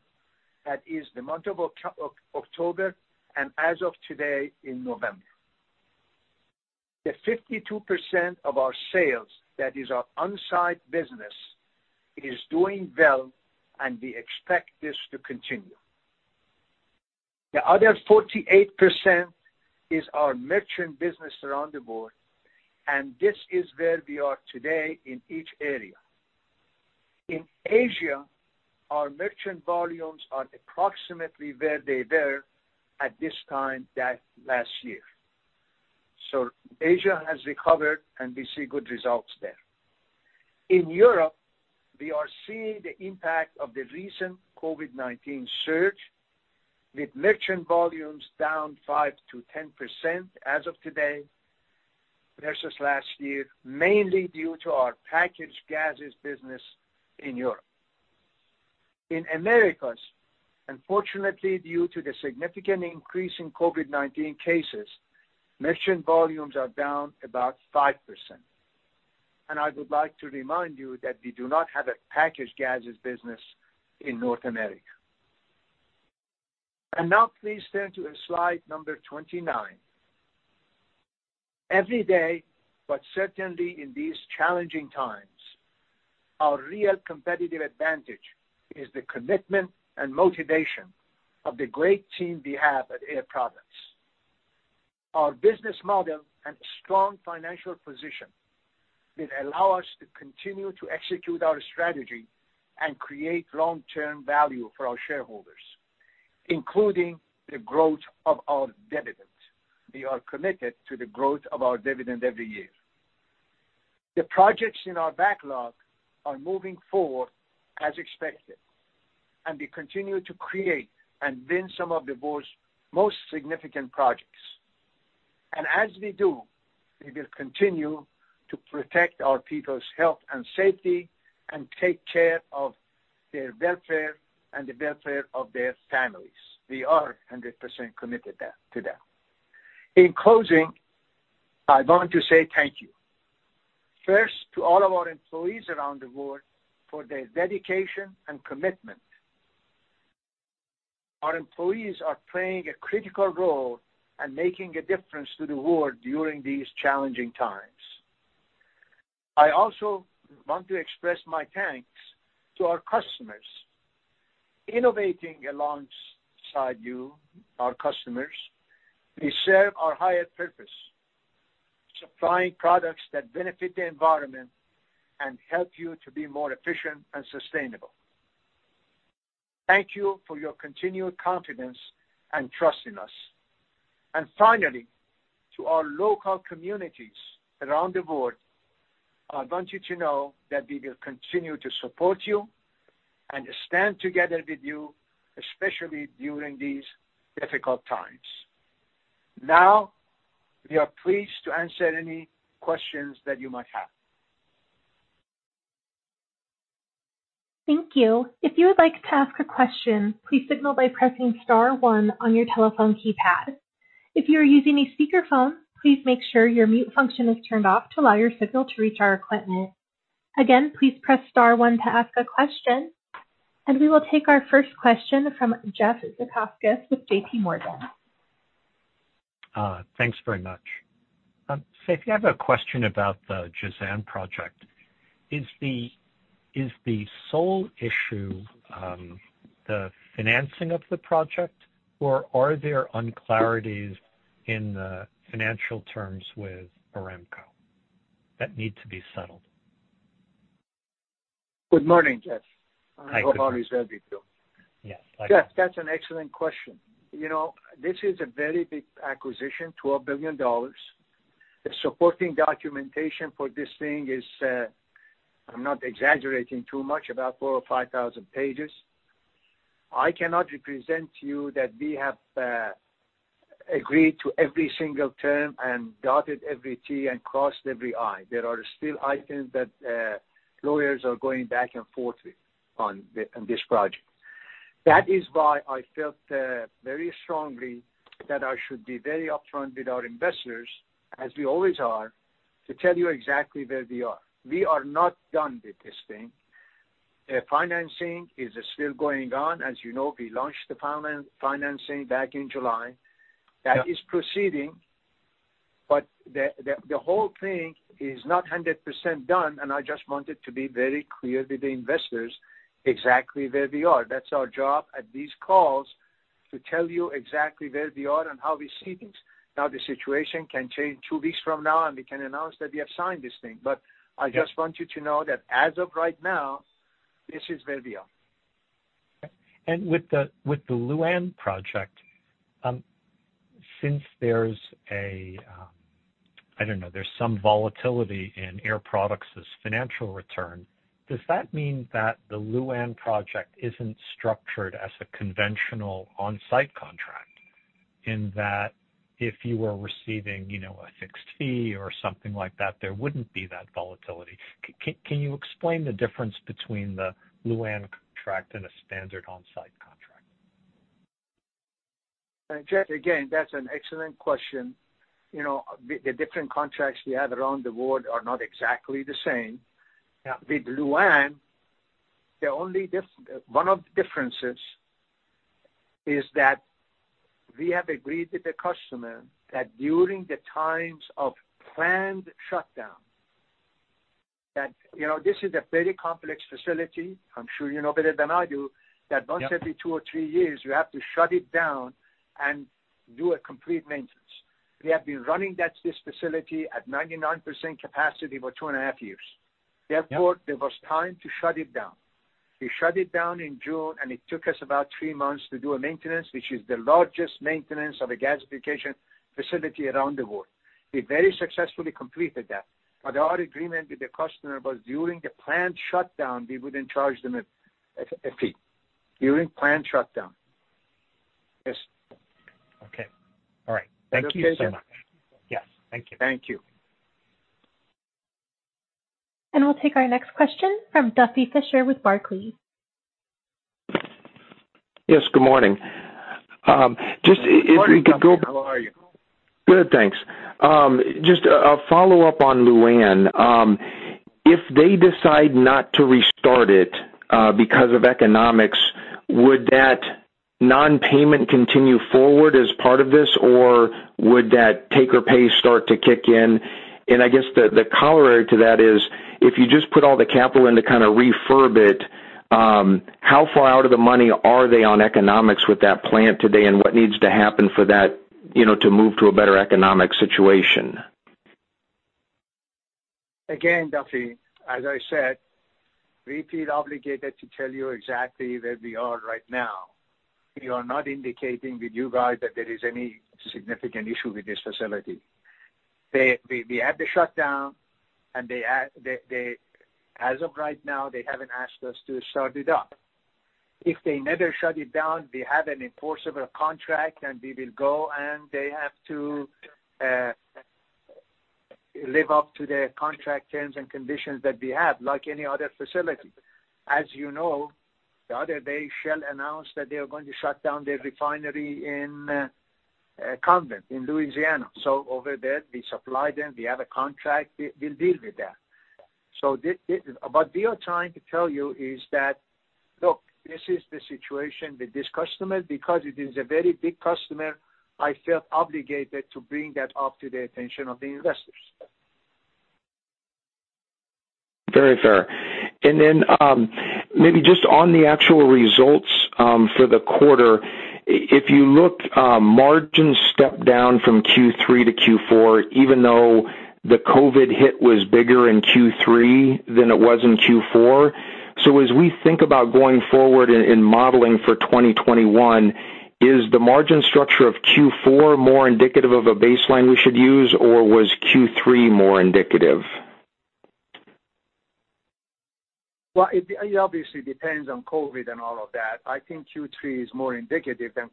that is the month of October and as of today in November. The 52% of our sales that is our on-site business is doing well, and we expect this to continue. The other 48% is our merchant business around the world, and this is where we are today in each area. In Asia, our merchant volumes are approximately where they were at this time last year. Asia has recovered, and we see good results there. In Europe, we are seeing the impact of the recent COVID-19 surge, with merchant volumes down 5%-10% as of today versus last year, mainly due to our packaged gases business in Europe. In Americas, unfortunately due to the significant increase in COVID-19 cases, merchant volumes are down about 5%. I would like to remind you that we do not have a packaged gases business in North America. Now please turn to slide number 29. Every day, but certainly in these challenging times, our real competitive advantage is the commitment and motivation of the great team we have at Air Products. Our business model and strong financial position will allow us to continue to execute our strategy and create long-term value for our shareholders, including the growth of our dividends. We are committed to the growth of our dividend every year. The projects in our backlog are moving forward as expected, and we continue to create and win some of the world's most significant projects. As we do, we will continue to protect our people's health and safety and take care of their welfare and the welfare of their families. We are 100% committed to that. In closing, I want to say thank you, first to all of our employees around the world for their dedication and commitment. Our employees are playing a critical role and making a difference to the world during these challenging times. I also want to express my thanks to our customers. Innovating alongside you, our customers, we serve our higher purpose, supplying products that benefit the environment and help you to be more efficient and sustainable. Thank you for your continued confidence and trust in us. Finally, to our local communities around the world, I want you to know that we will continue to support you and stand together with you, especially during these difficult times. We are pleased to answer any questions that you might have. Thank you. If you would like to ask a question, please signal by pressing star one on your telephone keypad. If you are using a speakerphone, please make sure your mute function is turned off to allow your signal to reach our equipment. Again, please press star one to ask a question, and we will take our first question from Jeff Zekauskas with J.P. Morgan. Thanks very much. Seifi, I have a question about the Jazan project. Is the sole issue the financing of the project or are there unclarities in the financial terms with Aramco that need to be settled? Good morning, Jeff. Hi, good morning. I hope all is well with you. Yes, likewise. Jeff, that's an excellent question. This is a very big acquisition, $12 billion. The supporting documentation for this thing is, I'm not exaggerating too much, about 4,000 or 5,000 pages. I cannot represent to you that we have agreed to every single term and dotted every T and crossed every I. There are still items that lawyers are going back and forth with on this project. That is why I felt very strongly that I should be very upfront with our investors, as we always are, to tell you exactly where we are. We are not done with this thing. Financing is still going on. As you know, we launched the financing back in July. Yeah. That is proceeding, but the whole thing is not 100% done, and I just wanted to be very clear with the investors exactly where we are. That's our job at these calls, to tell you exactly where we are and how we see things. Now, the situation can change two weeks from now, and we can announce that we have signed this thing. I just want you to know that as of right now, this is where we are. With the Lu'an project, since there's some volatility in Air Products' financial return, does that mean that the Lu'an project isn't structured as a conventional on-site contract, in that if you were receiving a fixed fee or something like that, there wouldn't be that volatility? Can you explain the difference between the Lu'an contract and a standard on-site contract? Jeff, again, that's an excellent question. The different contracts we have around the world are not exactly the same. Yeah. With Lu'An, one of the differences is that we have agreed with the customer that during the times of planned shutdown. This is a very complex facility, I'm sure you know better than I do. Yeah That once every two or three years, you have to shut it down and do a complete maintenance. We have been running this facility at 99% capacity for two and a half years. Yeah. Therefore, it was time to shut it down. We shut it down in June, and it took us about three months to do a maintenance, which is the largest maintenance of a gasification facility around the world. We very successfully completed that. Our agreement with the customer was during the planned shutdown, we wouldn't charge them a fee. During planned shutdown. Yes. Okay. All right. Thank you so much. Is that okay, Jeff? Yes. Thank you. Thank you. I'll take our next question from Duffy Fischer with Barclays. Yes, good morning. Good morning, Duffy. How are you? Good, thanks. Just a follow-up on Lu'an. If they decide not to restart it because of economics, would that non-payment continue forward as part of this, or would that take or pay start to kick in? I guess the corollary to that is, if you just put all the capital in to refurb it, how far out of the money are they on economics with that plant today, and what needs to happen for that to move to a better economic situation? Duffy, as I said, we feel obligated to tell you exactly where we are right now. We are not indicating with you guys that there is any significant issue with this facility. We had the shutdown, and as of right now, they haven't asked us to start it up. If they never shut it down, we have an enforceable contract, and we will go, and they have to live up to the contract terms and conditions that we have, like any other facility. As you know, the other day Shell announced that they are going to shut down their refinery in Convent, in Louisiana. Over there, we supply them. We have a contract. We'll deal with that. Yeah. What we are trying to tell you is that, look, this is the situation with this customer. Because it is a very big customer, I felt obligated to bring that up to the attention of the investors. Very fair. Maybe just on the actual results for the quarter, if you look, margins stepped down from Q3 to Q4, even though the COVID hit was bigger in Q3 than it was in Q4. As we think about going forward in modeling for 2021, is the margin structure of Q4 more indicative of a baseline we should use, or was Q3 more indicative? Well, it obviously depends on COVID and all of that. I think Q3 is more indicative than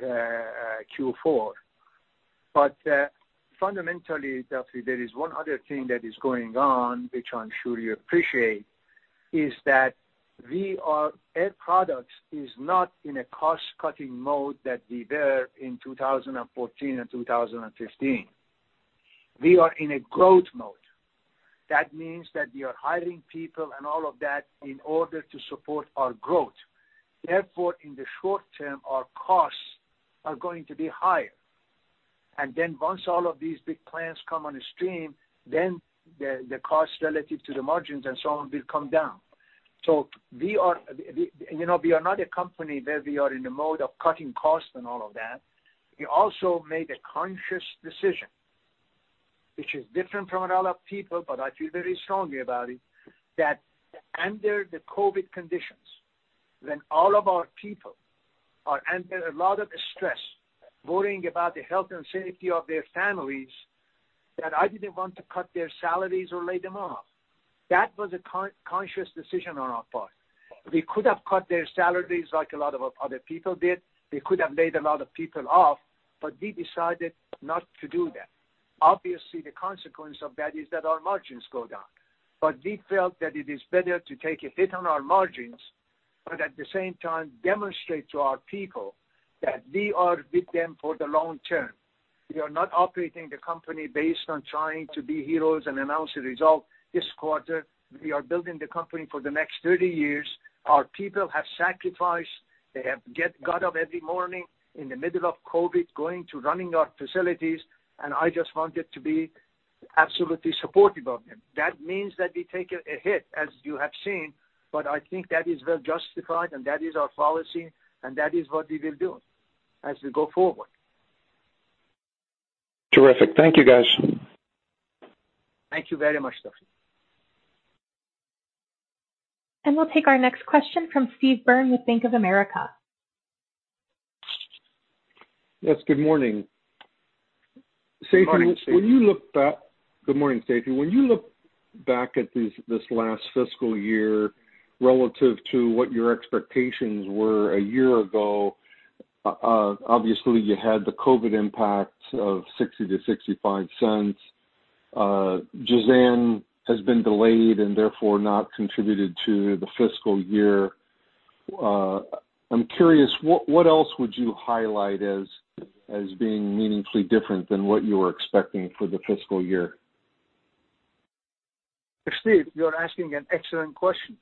Q4. Fundamentally, Duffy, there is one other thing that is going on, which I'm sure you appreciate. Is that Air Products is not in a cost-cutting mode that we were in 2014 and 2015. We are in a growth mode. That means that we are hiring people and all of that in order to support our growth. Therefore, in the short term, our costs are going to be higher. Once all of these big plants come on the stream, the costs relative to the margins and so on will come down. We are not a company where we are in a mode of cutting costs and all of that. We also made a conscious decision, which is different from a lot of people, I feel very strongly about it, that under the COVID-19 conditions, when all of our people are under a lot of stress, worrying about the health and safety of their families, that I didn't want to cut their salaries or lay them off. That was a conscious decision on our part. We could have cut their salaries like a lot of other people did. We could have laid a lot of people off. We decided not to do that. Obviously, the consequence of that is that our margins go down. We felt that it is better to take a hit on our margins, but at the same time demonstrate to our people that we are with them for the long term. We are not operating the company based on trying to be heroes and announce the result this quarter. We are building the company for the next 30 years. Our people have sacrificed. They have got up every morning in the middle of COVID, going to running our facilities. I just wanted to be absolutely supportive of them. That means that we take a hit, as you have seen. I think that is well justified. That is our policy. That is what we will do as we go forward. Terrific. Thank you, guys. Thank you very much, Duffy. We'll take our next question from Steve Byrne with Bank of America. Yes, good morning. Good morning, Steve. Good morning, Seifi. When you look back at this last fiscal year relative to what your expectations were a year ago, obviously, you had the COVID impact of $0.60-$0.65. Jazan has been delayed and therefore not contributed to the fiscal year. I'm curious, what else would you highlight as being meaningfully different than what you were expecting for the fiscal year? Steve, you're asking an excellent question.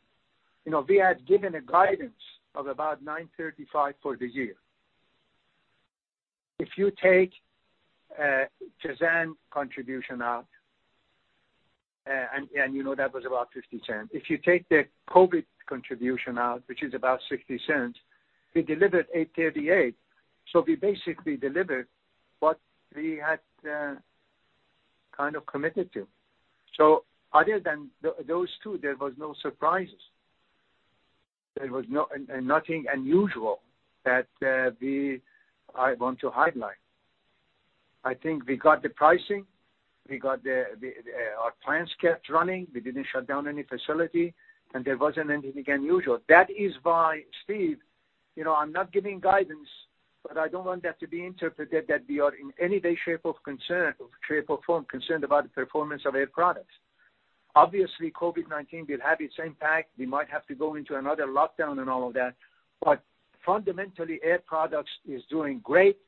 We had given a guidance of about $9.35 for the year. If you take Jazan contribution out, and you know that was about $0.50. If you take the COVID-19 contribution out, which is about $0.60, we delivered $8.38, so we basically delivered what we had kind of committed to. Other than those two, there was no surprises. There was nothing unusual that I want to highlight. I think we got the pricing, our plants kept running. We didn't shut down any facility, and there wasn't anything unusual. That is why, Steve, I'm not giving guidance, but I don't want that to be interpreted that we are in any way, shape or form concerned about the performance of Air Products. Obviously, COVID-19 will have its impact. We might have to go into another lockdown and all of that. Fundamentally, Air Products is doing great.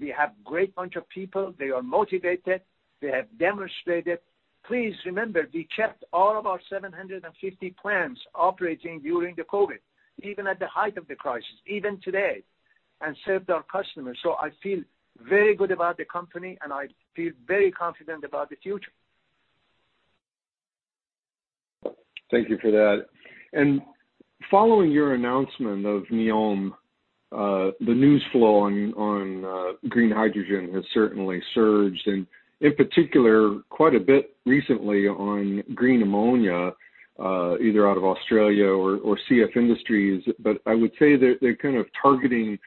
We have great bunch of people. They are motivated. They have demonstrated. Please remember, we kept all of our 750 plants operating during the COVID-19, even at the height of the crisis, even today, and served our customers. I feel very good about the company, and I feel very confident about the future. Thank you for that. Following your announcement of NEOM, the news flow on green hydrogen has certainly surged and in particular, quite a bit recently on green ammonia, either out of Australia or CF Industries. I would say they're kind of targeting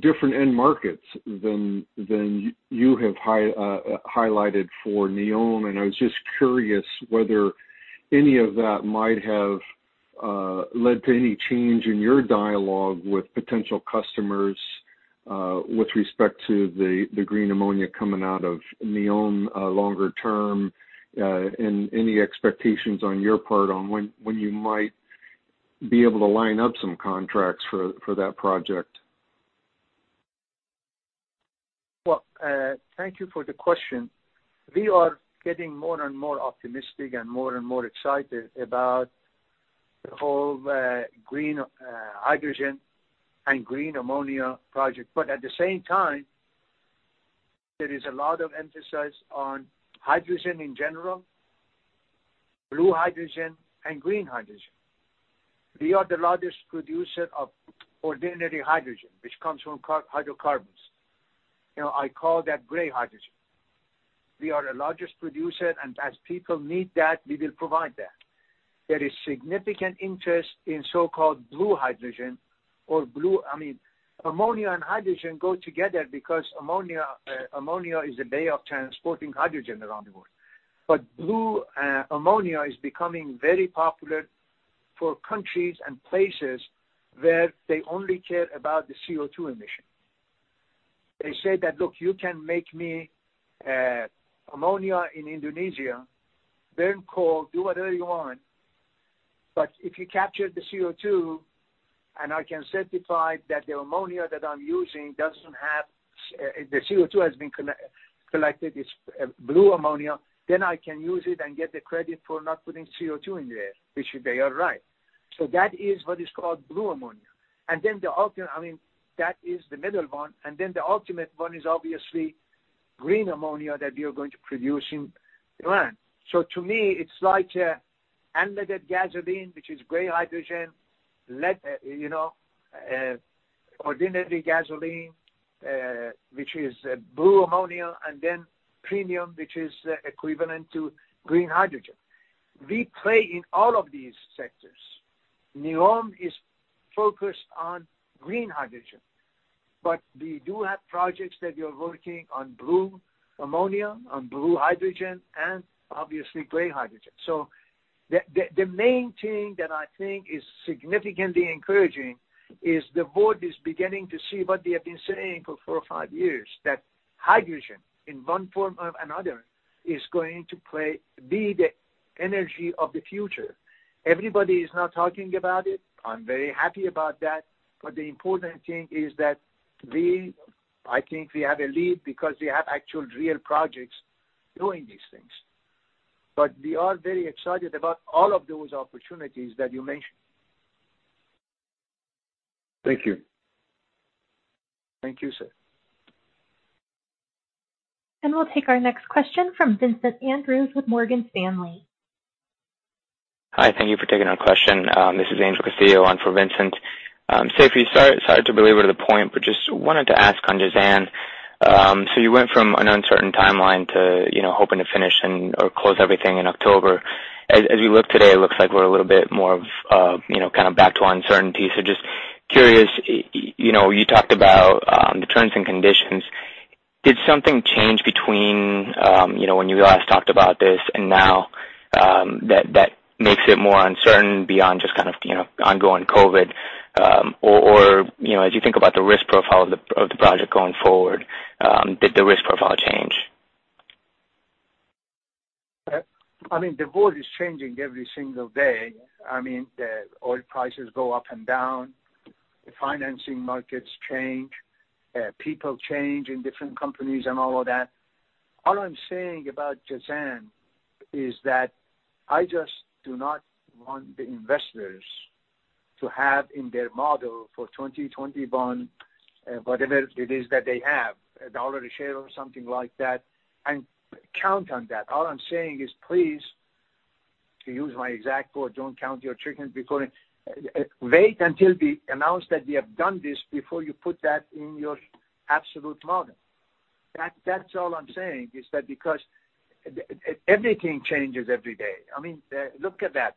different end markets than you have highlighted for NEOM. I was just curious whether any of that might have led to any change in your dialogue with potential customers, with respect to the green ammonia coming out of NEOM longer term, and any expectations on your part on when you might be able to line up some contracts for that project. Well, thank you for the question. We are getting more and more optimistic and more and more excited about the whole green hydrogen and green ammonia project. At the same time, there is a lot of emphasis on hydrogen in general, blue hydrogen and green hydrogen. We are the largest producer of ordinary hydrogen, which comes from hydrocarbons. I call that gray hydrogen. We are the largest producer, and as people need that, we will provide that. There is significant interest in so-called blue hydrogen. Ammonia and hydrogen go together because ammonia is a way of transporting hydrogen around the world. Blue ammonia is becoming very popular for countries and places where they only care about the CO2 emission. They say that, Look, you can make me ammonia in Indonesia, burn coal, do whatever you want, but if you capture the CO2 and I can certify that the ammonia that I'm using, the CO2 has been collected, it's blue ammonia, then I can use it and get the credit for not putting CO2 in the air. They are right. That is what is called blue ammonia. That is the middle one, and then the ultimate one is obviously green ammonia that we are going to produce in NEOM. To me, it's like unleaded gasoline, which is gray hydrogen, ordinary gasoline, which is blue ammonia, and then premium, which is equivalent to green hydrogen. We play in all of these sectors. NEOM is focused on green hydrogen, but we do have projects that we are working on blue ammonia, on blue hydrogen, and obviously gray hydrogen. The main thing that I think is significantly encouraging is the board is beginning to see what we have been saying for four or five years, that hydrogen, in one form or another, is going to be the energy of the future. Everybody is now talking about it. I'm very happy about that, but the important thing is that we, I think we have a lead because we have actual, real projects doing these things. We are very excited about all of those opportunities that you mentioned. Thank you. Thank you, sir. We'll take our next question from Vincent Andrews with Morgan Stanley. Hi, thank you for taking our question. This is Angel Castillo on for Vincent. Seifi, sorry to belabor the point, just wanted to ask on Jazan. You went from an uncertain timeline to hoping to finish and/or close everything in October. As we look today, it looks like we're a little bit more of back to uncertainty. Just curious, you talked about the terms and conditions. Did something change between when you last talked about this and now, that makes it more uncertain beyond just ongoing COVID? As you think about the risk profile of the project going forward, did the risk profile change? The world is changing every single day. The oil prices go up and down, the financing markets change, people change in different companies and all of that. All I'm saying about Jazan is that I just do not want the investors to have in their model for 2021, whatever it is that they have, $1 a share or something like that, and count on that. All I'm saying is please, to use my exact quote, Don't count your chickens before. Wait until we announce that we have done this before you put that in your absolute model. That's all I'm saying, is that because everything changes every day. Look at that.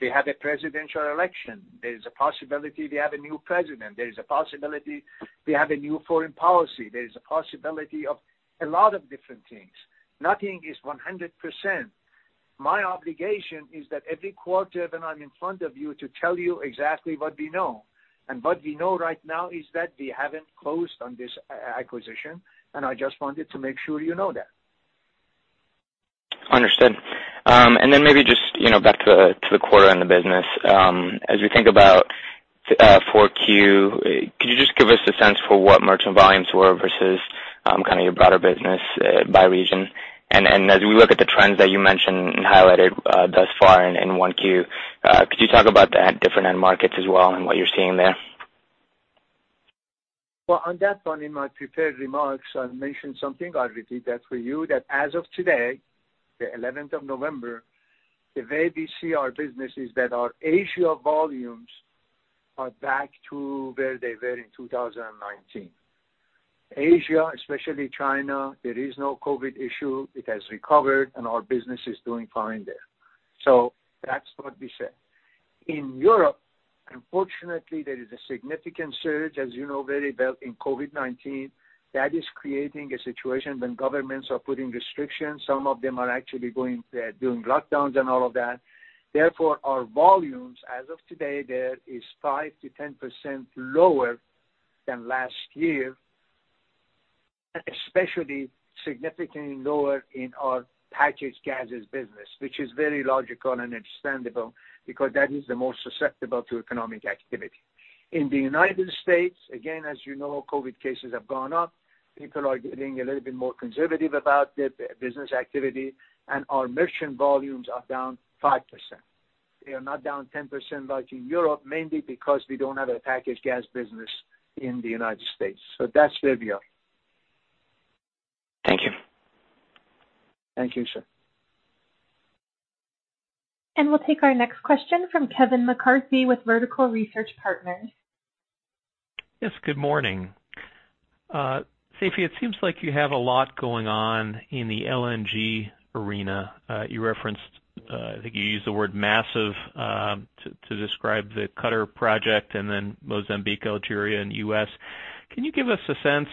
We have a presidential election. There's a possibility we have a new president. There's a possibility we have a new foreign policy. There's a possibility of a lot of different things. Nothing is 100%. My obligation is that every quarter that I'm in front of you to tell you exactly what we know. What we know right now is that we haven't closed on this acquisition, and I just wanted to make sure you know that. Understood. Then maybe just back to the quarter and the business. As we think about 4Q, could you just give us a sense for what merchant volumes were versus your broader business by region? As we look at the trends that you mentioned and highlighted thus far in 1Q, could you talk about the different end markets as well and what you're seeing there? Well, on that one, in my prepared remarks, I mentioned something, I'll repeat that for you, that as of today, the 11th of November, the way we see our business is that our Asia volumes are back to where they were in 2019. Asia, especially China, there is no COVID issue. It has recovered. Our business is doing fine there. That's what we said. In Europe, unfortunately, there is a significant surge, as you know very well, in COVID-19. That is creating a situation when governments are putting restrictions. Some of them are actually doing lockdowns and all of that. Our volumes as of today there is 5%-10% lower than last year, and especially significantly lower in our packaged gases business, which is very logical and understandable because that is the most susceptible to economic activity. In the U.S., again, as you know, COVID cases have gone up. People are getting a little bit more conservative about their business activity, and our merchant volumes are down 5%. They are not down 10% like in Europe, mainly because we don't have a packaged gas business in the U.S. That's where we are. Thank you. Thank you, sir. We'll take our next question from Kevin McCarthy with Vertical Research Partners. Yes, good morning. Seifi, it seems like you have a lot going on in the LNG arena. You referenced, I think you used the word massive, to describe the Qatar project and then Mozambique, Algeria, and U.S. Can you give us a sense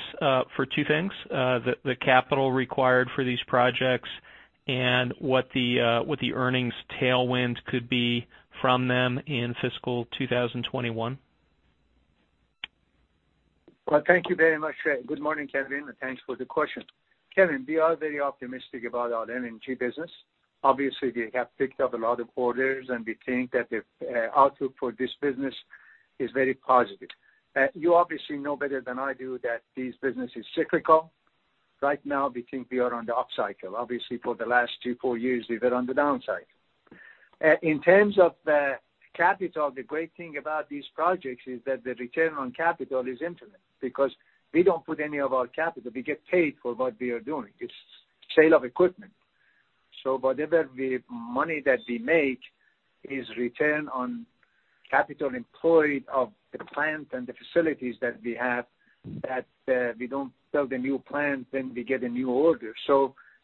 for two things, the capital required for these projects and what the earnings tailwind could be from them in fiscal 2021? Well, thank you very much. Good morning, Kevin, and thanks for the question. Kevin, we are very optimistic about our LNG business. Obviously, we have picked up a lot of orders, and we think that the outlook for this business is very positive. You obviously know better than I do that this business is cyclical. Right now, we think we are on the upcycle. Obviously, for the last two, four years, we were on the downside. In terms of the capital, the great thing about these projects is that the return on capital is infinite, because we don't put any of our capital. We get paid for what we are doing. It's sale of equipment. Whatever the money that we make is return on capital employed of the plant and the facilities that we have, that we don't build a new plant, then we get a new order.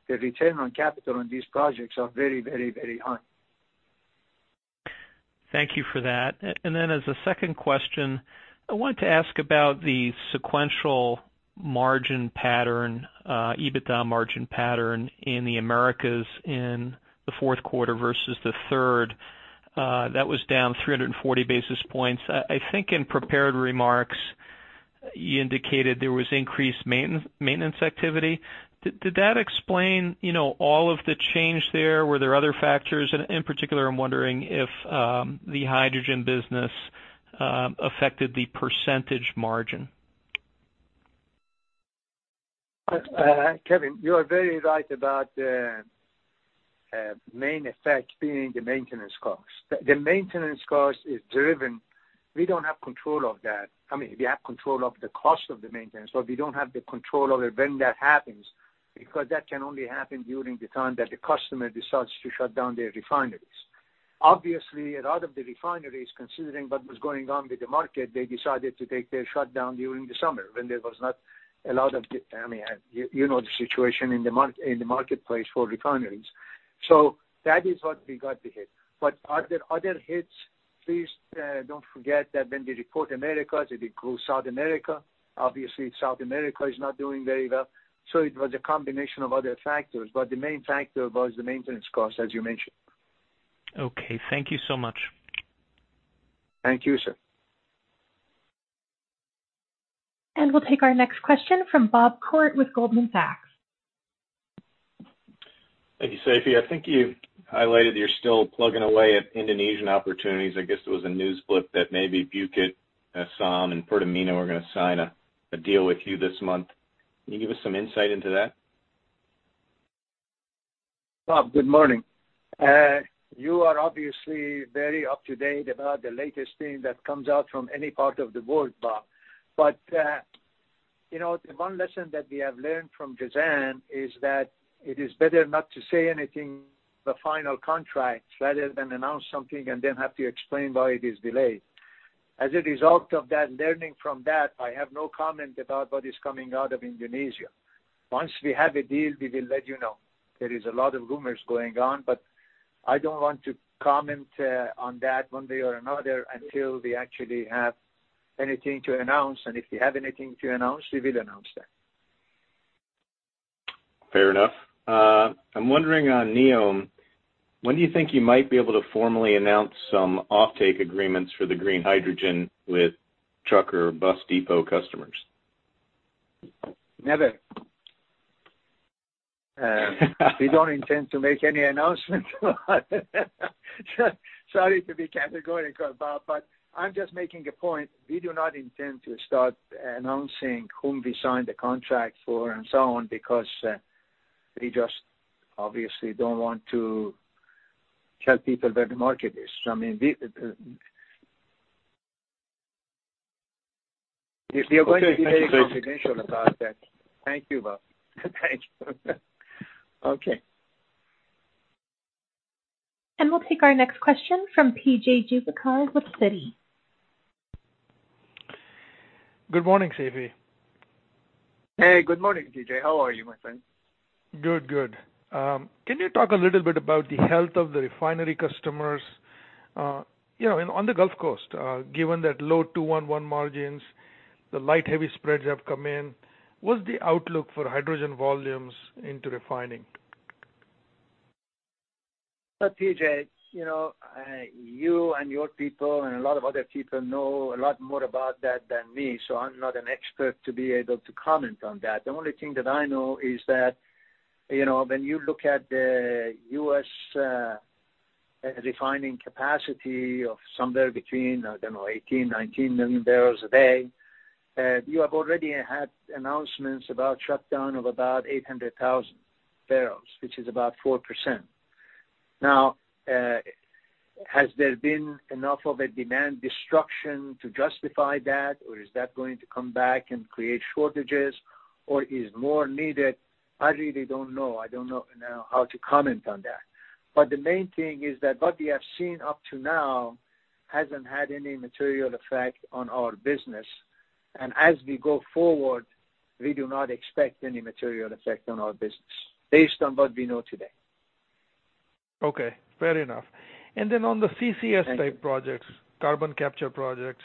The return on capital on these projects are very, very high. Thank you for that. As a second question, I want to ask about the sequential margin pattern, EBITDA margin pattern in the Americas in the fourth quarter versus the third. That was down 340 basis points. I think in prepared remarks, you indicated there was increased maintenance activity. Did that explain all of the change there? Were there other factors? In particular, I'm wondering if the hydrogen business affected the percentage margin. Kevin, you are very right about the main effect being the maintenance cost. The maintenance cost, we don't have control of that. I mean, we have control of the cost of the maintenance, but we don't have the control over when that happens, because that can only happen during the time that the customer decides to shut down their refineries. Obviously, a lot of the refineries, considering what was going on with the market, they decided to take their shutdown during the summer. You know the situation in the marketplace for refineries. That is what we got the hit. Are there other hits? Please don't forget that when we report Americas, it includes South America. Obviously, South America is not doing very well. It was a combination of other factors, but the main factor was the maintenance cost, as you mentioned. Okay. Thank you so much. Thank you, sir. We'll take our next question from Bob Koort with Goldman Sachs. Thank you, Seifi. I think you highlighted you're still plugging away at Indonesian opportunities. I guess there was a news clip that maybe Bukit Asam and Pertamina were going to sign a deal with you this month. Can you give us some insight into that? Bob, good morning. You are obviously very up-to-date about the latest thing that comes out from any part of the world, Bob. The one lesson that we have learned from Jazan is that it is better not to say anything, the final contracts, rather than announce something and then have to explain why it is delayed. As a result of that, learning from that, I have no comment about what is coming out of Indonesia. Once we have a deal, we will let you know. There is a lot of rumors going on, but I don't want to comment on that one way or another until we actually have anything to announce. If we have anything to announce, we will announce that. Fair enough. I'm wondering on NEOM, when do you think you might be able to formally announce some offtake agreements for the green hydrogen with truck or bus depot customers? Never. We don't intend to make any announcement. Sorry to be categorical, Bob, I'm just making a point. We do not intend to start announcing whom we signed the contract for and so on because, we just obviously don't want to tell people where the market is. I mean, Okay. Thank you, Seifi. We are going to be very confidential about that. Thank you, Bob. Thank you. Okay. We'll take our next question from P.J. Juvekar with Citi. Good morning, Seifi. Hey, good morning, P.J. How are you, my friend? Good. Can you talk a little bit about the health of the refinery customers, on the Gulf Coast, given that low 2-1-1 margins, the light, heavy spreads have come in? What's the outlook for hydrogen volumes into refining? P.J., you and your people and a lot of other people know a lot more about that than me, so I'm not an expert to be able to comment on that. The only thing that I know is that, when you look at the U.S. refining capacity of somewhere between, I don't know, 18, 19 million barrels a day, you have already had announcements about shutdown of about 800,000 barrels, which is about 4%. Has there been enough of a demand destruction to justify that? Is that going to come back and create shortages? Is more needed? I really don't know. I don't know how to comment on that. The main thing is that what we have seen up to now hasn't had any material effect on our business. As we go forward, we do not expect any material effect on our business based on what we know today. Okay, fair enough. On the CCS type projects, carbon capture projects,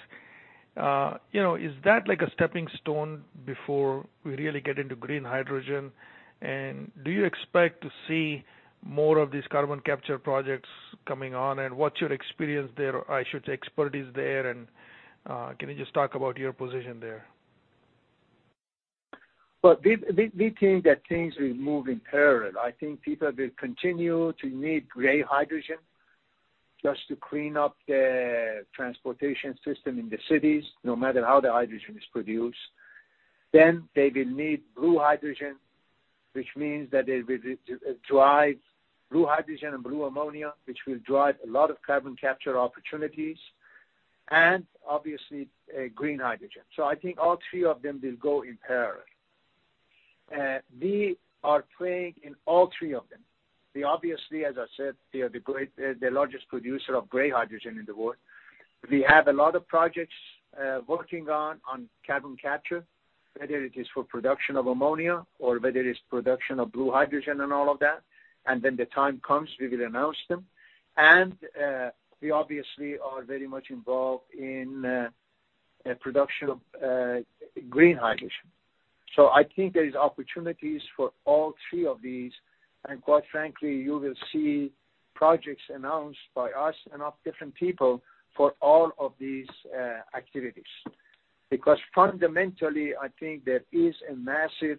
is that like a stepping stone before we really get into green hydrogen? Do you expect to see more of these carbon capture projects coming on, and what's your experience there, or I should say, expertise there, and can you just talk about your position there? Well, we think that things will move in parallel. I think people will continue to need gray hydrogen just to clean up the transportation system in the cities, no matter how the hydrogen is produced. They will need blue hydrogen, which means that they will drive blue hydrogen and blue ammonia, which will drive a lot of carbon capture opportunities, and obviously, green hydrogen. I think all three of them will go in parallel. We are playing in all three of them. We obviously, as I said, we are the largest producer of gray hydrogen in the world. We have a lot of projects working on carbon capture, whether it is for production of ammonia or whether it's production of blue hydrogen and all of that. When the time comes, we will announce them. We obviously are very much involved in production of green hydrogen. I think there is opportunities for all three of these, and quite frankly, you will see projects announced by us and different people for all of these activities. Fundamentally, I think there is a massive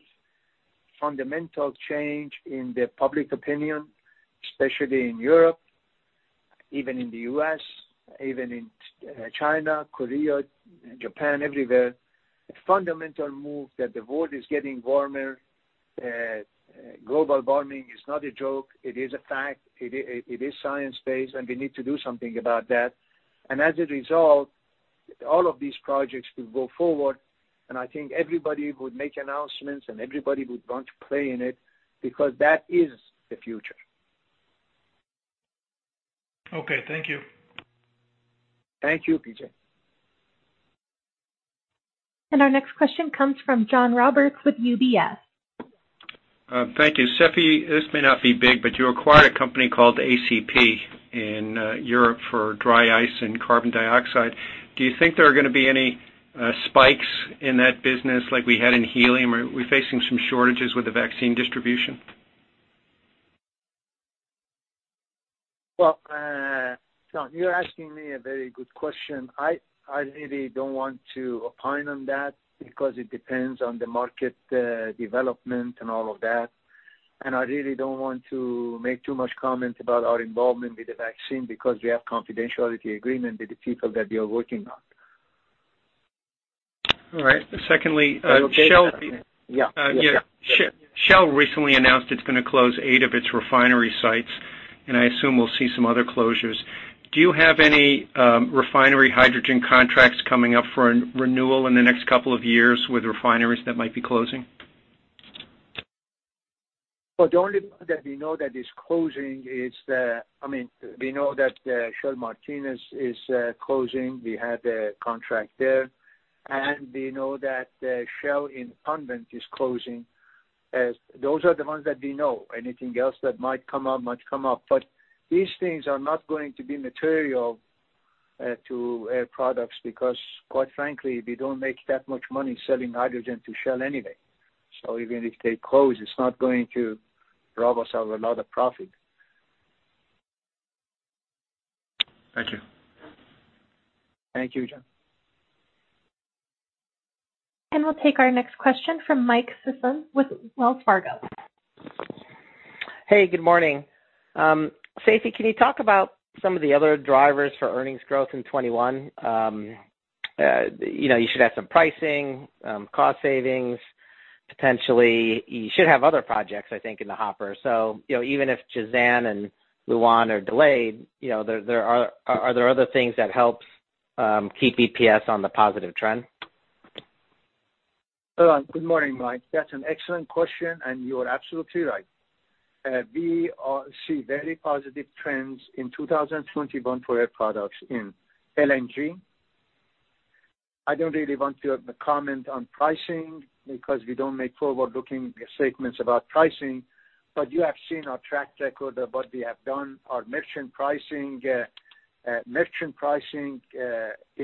fundamental change in the public opinion, especially in Europe, even in the U.S., even in China, Korea, Japan, everywhere. A fundamental move that the world is getting warmer, global warming is not a joke, it is a fact, it is science-based, and we need to do something about that. As a result, all of these projects will go forward, and I think everybody would make announcements and everybody would want to play in it, because that is the future. Okay. Thank you. Thank you, P.J. Our next question comes from John Roberts with UBS. Thank you. Seifi, this may not be big, but you acquired a company called ACP in Europe for dry ice and carbon dioxide. Do you think there are going to be any spikes in that business like we had in helium? Are we facing some shortages with the vaccine distribution? Well, John, you're asking me a very good question. I really don't want to opine on that because it depends on the market development and all of that. I really don't want to make too much comment about our involvement with the vaccine because we have confidentiality agreement with the people that we are working on. All right. Secondly, Shell- Yeah. Shell recently announced it's going to close eight of its refinery sites, and I assume we'll see some other closures. Do you have any refinery hydrogen contracts coming up for renewal in the next couple of years with refineries that might be closing? The only one that we know that is closing is, we know that Shell Martinez is closing. We have a contract there. We know that Shell in Convent is closing. Those are the ones that we know. Anything else that might come up, might come up. These things are not going to be material to Air Products because, quite frankly, we don't make that much money selling hydrogen to Shell anyway. Even if they close, it's not going to rob us of a lot of profit. Thank you. Thank you, John. We'll take our next question from Michael Sison with Wells Fargo. Hey, good morning. Seifi, can you talk about some of the other drivers for earnings growth in 2021? You should have some pricing, cost savings, potentially. You should have other projects, I think, in the hopper. Even if Jazan and Lu'an are delayed, are there other things that help keep EPS on the positive trend? Hold on. Good morning, Mike. That's an excellent question, and you are absolutely right. We see very positive trends in 2021 for Air Products in LNG. I don't really want to comment on pricing because we don't make forward-looking statements about pricing. You have seen our track record of what we have done. Our merchant pricing, in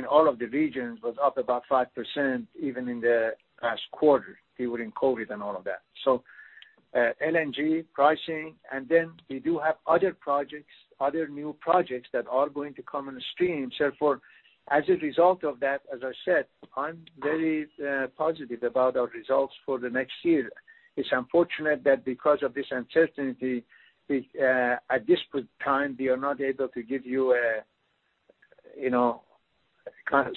all of the regions, was up about 5%, even in the past quarter, even with COVID-19 and all of that. LNG pricing, and then we do have other new projects that are going to come in stream. As a result of that, as I said, I'm very positive about our results for the next year. It's unfortunate that because of this uncertainty, at this point time, we are not able to give you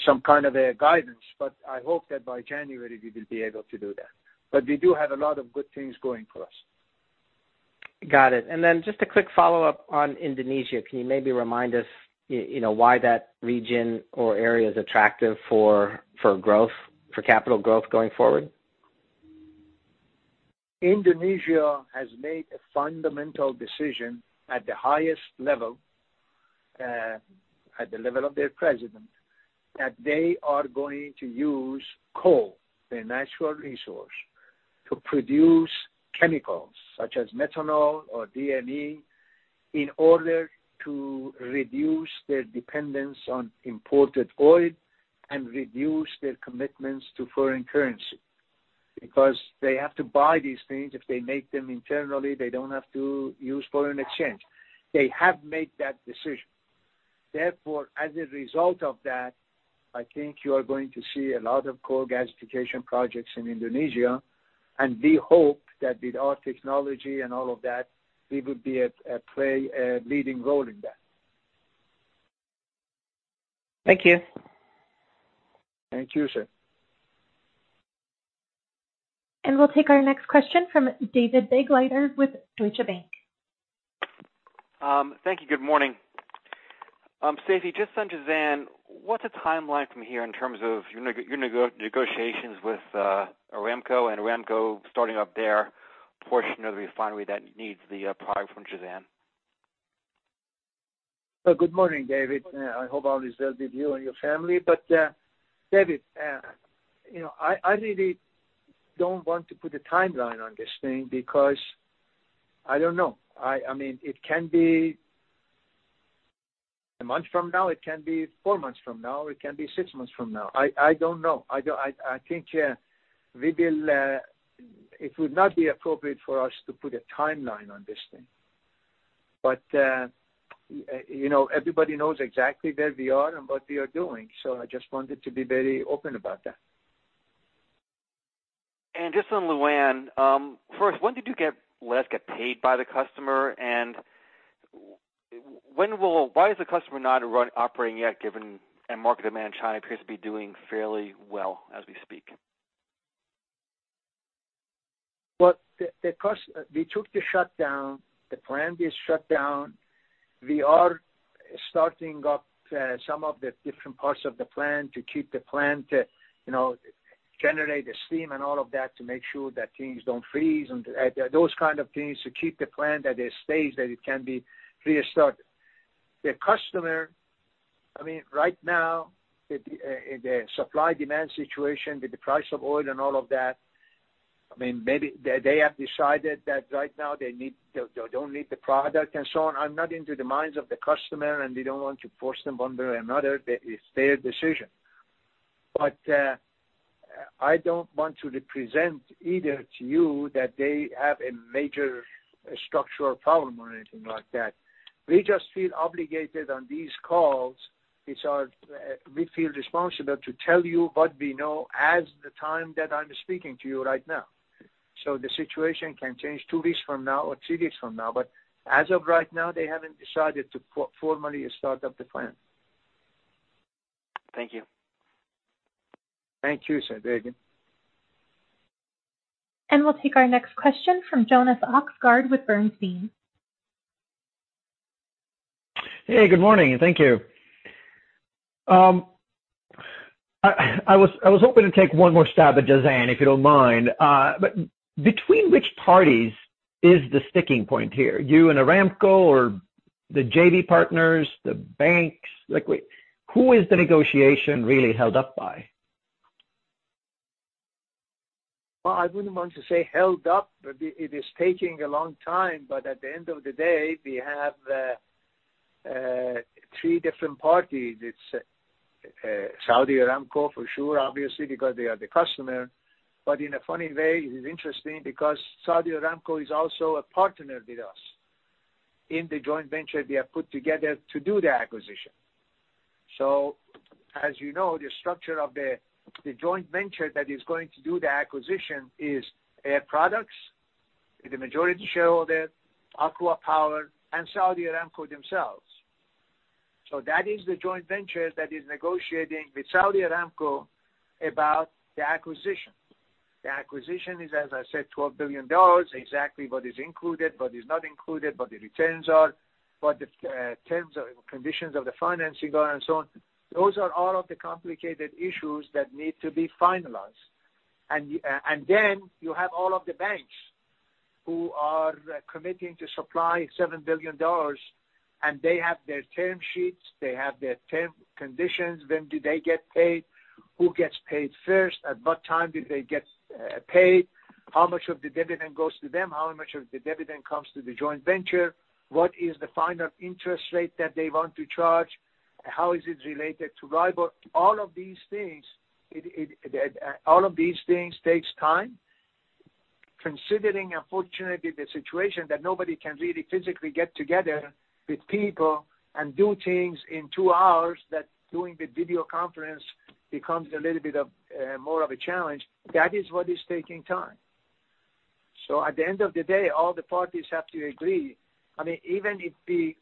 some kind of a guidance, but I hope that by January, we will be able to do that. We do have a lot of good things going for us. Got it. Just a quick follow-up on Indonesia. Can you maybe remind us why that region or area is attractive for capital growth going forward? Indonesia has made a fundamental decision at the highest level, at the level of their president, that they are going to use coal, their natural resource to produce chemicals such as methanol or DME in order to reduce their dependence on imported oil and reduce their commitments to foreign currency, because they have to buy these things. If they make them internally, they don't have to use foreign exchange. They have made that decision. As a result of that, I think you are going to see a lot of coal gasification projects in Indonesia, and we hope that with our technology and all of that, we will play a leading role in that. Thank you. Thank you, sir. We'll take our next question from David Begleiter with Deutsche Bank. Thank you. Good morning. Seifi, just on Jazan, what's the timeline from here in terms of your negotiations with Aramco and Aramco starting up their portion of the refinery that needs the product from Jazan? Good morning, David. I hope all is well with you and your family. David, I really don't want to put a timeline on this thing because I don't know. It can be a month from now, it can be four months from now, or it can be six months from now. I don't know. I think it would not be appropriate for us to put a timeline on this thing. Everybody knows exactly where we are and what we are doing. I just wanted to be very open about that. Just on Lu'an, first, when did you last get paid by the customer, and why is the customer not operating yet, given end market demand in China appears to be doing fairly well as we speak? They took the shutdown, the plant is shut down. We are starting up some of the different parts of the plant to keep the plant, generate the steam and all of that, to make sure that things don't freeze, and those kind of things, to keep the plant at a stage that it can be restarted. The customer, right now, the supply-demand situation with the price of oil and all of that, maybe they have decided that right now they don't need the product and so on. I'm not into the minds of the customer, and we don't want to force them one way or another. It's their decision. I don't want to represent either to you that they have a major structural problem or anything like that. We just feel obligated on these calls, we feel responsible to tell you what we know as the time that I'm speaking to you right now. The situation can change two weeks from now or three weeks from now, but as of right now, they haven't decided to formally start up the plant. Thank you. Thank you, sir. Thank you. We'll take our next question from Jonas Oxgaard with Bernstein. Hey, good morning, and thank you. I was hoping to take one more stab at Jazan, if you don't mind. Between which parties is the sticking point here? You and Aramco, or the JV partners, the banks? Who is the negotiation really held up by? Well, I wouldn't want to say held up, but it is taking a long time. At the end of the day, we have three different parties. It's Saudi Aramco, for sure, obviously, because they are the customer. In a funny way, it is interesting because Saudi Aramco is also a partner with us in the joint venture we have put together to do the acquisition. As you know, the structure of the joint venture that is going to do the acquisition is Air Products, the majority shareholder, ACWA Power, and Saudi Aramco themselves. That is the joint venture that is negotiating with Saudi Aramco about the acquisition. The acquisition is, as I said, $12 billion, exactly what is included, what is not included, what the returns are, what the terms and conditions of the financing are, and so on. Those are all of the complicated issues that need to be finalized. You have all of the banks who are committing to supply $7 billion, and they have their term sheets, they have their terms, conditions, when do they get paid, who gets paid first, at what time do they get paid, how much of the dividend goes to them, how much of the dividend comes to the joint venture, what is the final interest rate that they want to charge, how is it related to LIBOR? All of these things take time. Considering, unfortunately, the situation that nobody can really physically get together with people and do things in two hours, that doing the video conference becomes a little bit more of a challenge. That is what is taking time. At the end of the day, all the parties have to agree. Even if we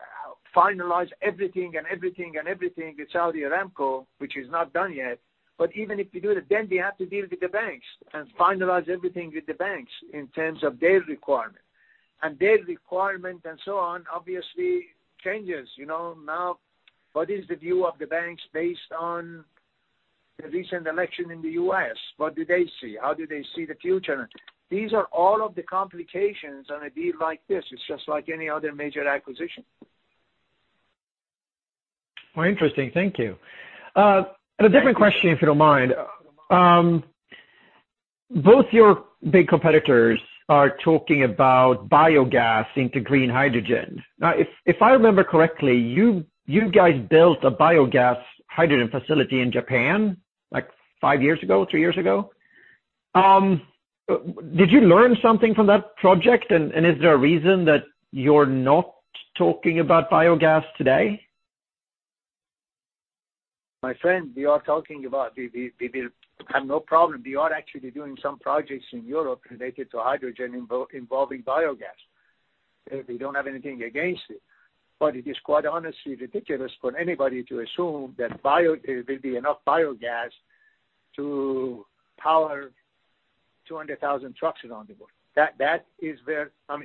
finalize everything and everything and everything with Saudi Aramco, which is not done yet, but even if we do that, then we have to deal with the banks and finalize everything with the banks in terms of their requirement. Their requirement and so on, obviously changes. What is the view of the banks based on the recent election in the U.S.? What do they see? How do they see the future? These are all of the complications on a deal like this. It's just like any other major acquisition. Well, interesting. Thank you. A different question, if you don't mind. Both your big competitors are talking about biogas into green hydrogen. If I remember correctly, you guys built a biogas hydrogen facility in Japan five years ago, three years ago. Did you learn something from that project? Is there a reason that you're not talking about biogas today? My friend, we are talking about, we will have no problem. We are actually doing some projects in Europe related to hydrogen involving biogas. We don't have anything against it, but it is quite honestly ridiculous for anybody to assume there will be enough biogas to power 200,000 trucks around the world.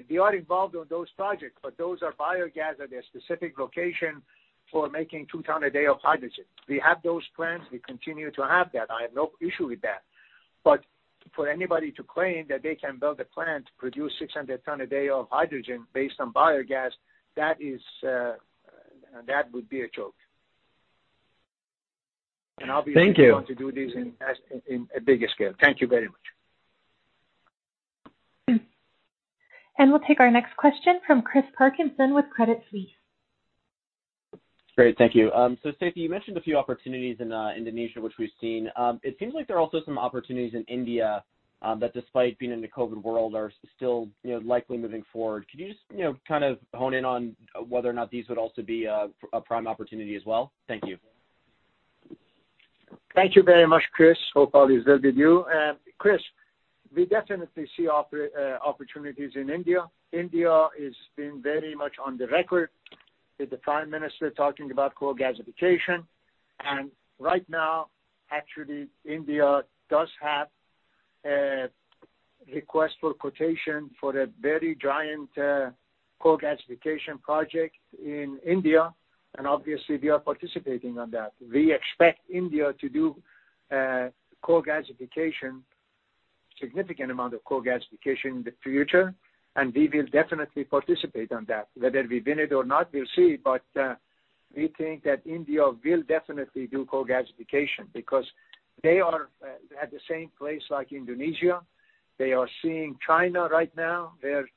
We are involved on those projects, but those are biogas at a specific location for making 2 ton a day of hydrogen. We have those plans, we continue to have that. I have no issue with that. For anybody to claim that they can build a plant to produce 600 ton a day of hydrogen based on biogas, that would be a joke. Thank you. Obviously, we want to do this in a bigger scale. Thank you very much. We'll take our next question from Christopher Parkinson with Credit Suisse. Great, thank you. Seifi, you mentioned a few opportunities in Indonesia, which we've seen. It seems like there are also some opportunities in India, that despite being in the COVID world, are still likely moving forward. Could you just hone in on whether or not these would also be a prime opportunity as well? Thank you. Thank you very much, Chris. Hope all is well with you. Chris, we definitely see opportunities in India. India is being very much on the record, with the Prime Minister talking about coal gasification. Right now, actually, India does have a request for quotation for a very giant coal gasification project in India, and obviously, we are participating on that. We expect India to do a significant amount of coal gasification in the future, and we will definitely participate on that. Whether we win it or not, we'll see. We think that India will definitely do coal gasification because they are at the same place like Indonesia. They are seeing China right now, where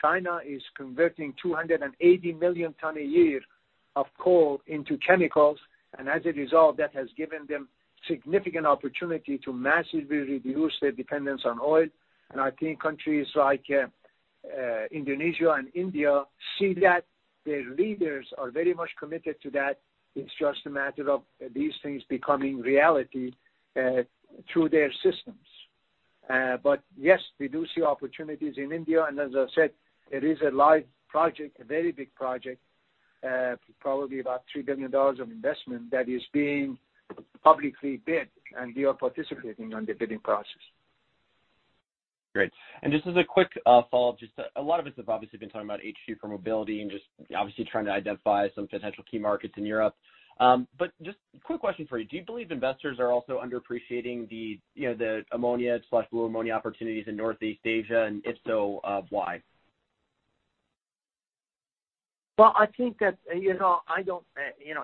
China is converting 280 million ton a year of coal into chemicals. As a result, that has given them significant opportunity to massively reduce their dependence on oil. I think countries like Indonesia and India see that their leaders are very much committed to that. It's just a matter of these things becoming reality through their systems. Yes, we do see opportunities in India. As I said, it is a live project, a very big project, probably about $3 billion of investment that is being publicly bid, and we are participating on the bidding process. Great. Just as a quick follow-up, a lot of us have obviously been talking about H2 for mobility and just obviously trying to identify some potential key markets in Europe. Just a quick question for you. Do you believe investors are also underappreciating the ammonia/blue ammonia opportunities in Northeast Asia? If so, why? Well,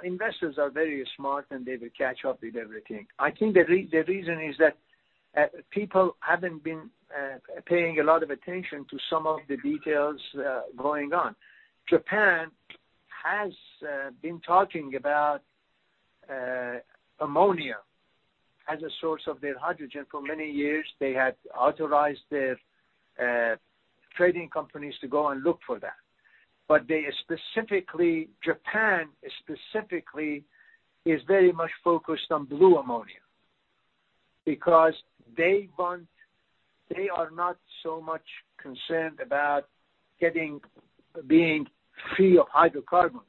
investors are very smart, and they will catch up with everything. I think the reason is that people haven't been paying a lot of attention to some of the details going on. Japan has been talking about ammonia as a source of their hydrogen for many years. They had authorized their trading companies to go and look for that. Japan specifically is very much focused on blue ammonia because they are not so much concerned about being free of hydrocarbons.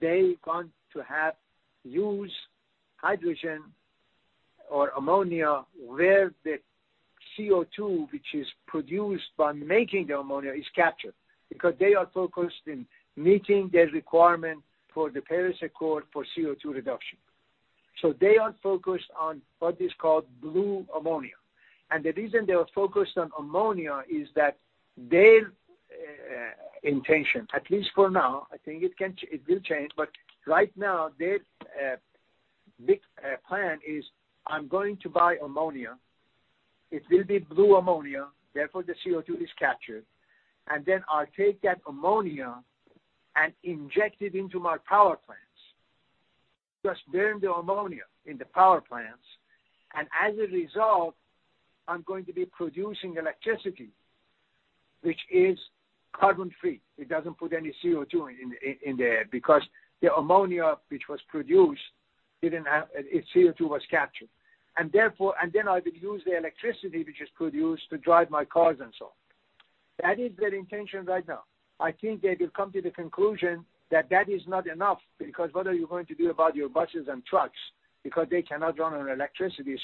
They want to use hydrogen or ammonia where the CO2, which is produced by making the ammonia, is captured because they are focused in meeting their requirement for the Paris Agreement for CO2 reduction. They are focused on what is called blue ammonia. The reason they are focused on ammonia is that their intention, at least for now, I think it will change, but right now, their big plan is, I'm going to buy ammonia. It will be blue ammonia, therefore the CO2 is captured, and then I'll take that ammonia and inject it into my power plants. Just burn the ammonia in the power plants, and as a result, I'm going to be producing electricity, which is carbon free. It doesn't put any CO2 in the air because the ammonia which was produced, its CO2 was captured. Then I will use the electricity which is produced to drive my cars and so on. That is their intention right now. I think they will come to the conclusion that that is not enough, because what are you going to do about your buses and trucks? Because they cannot run on electricity.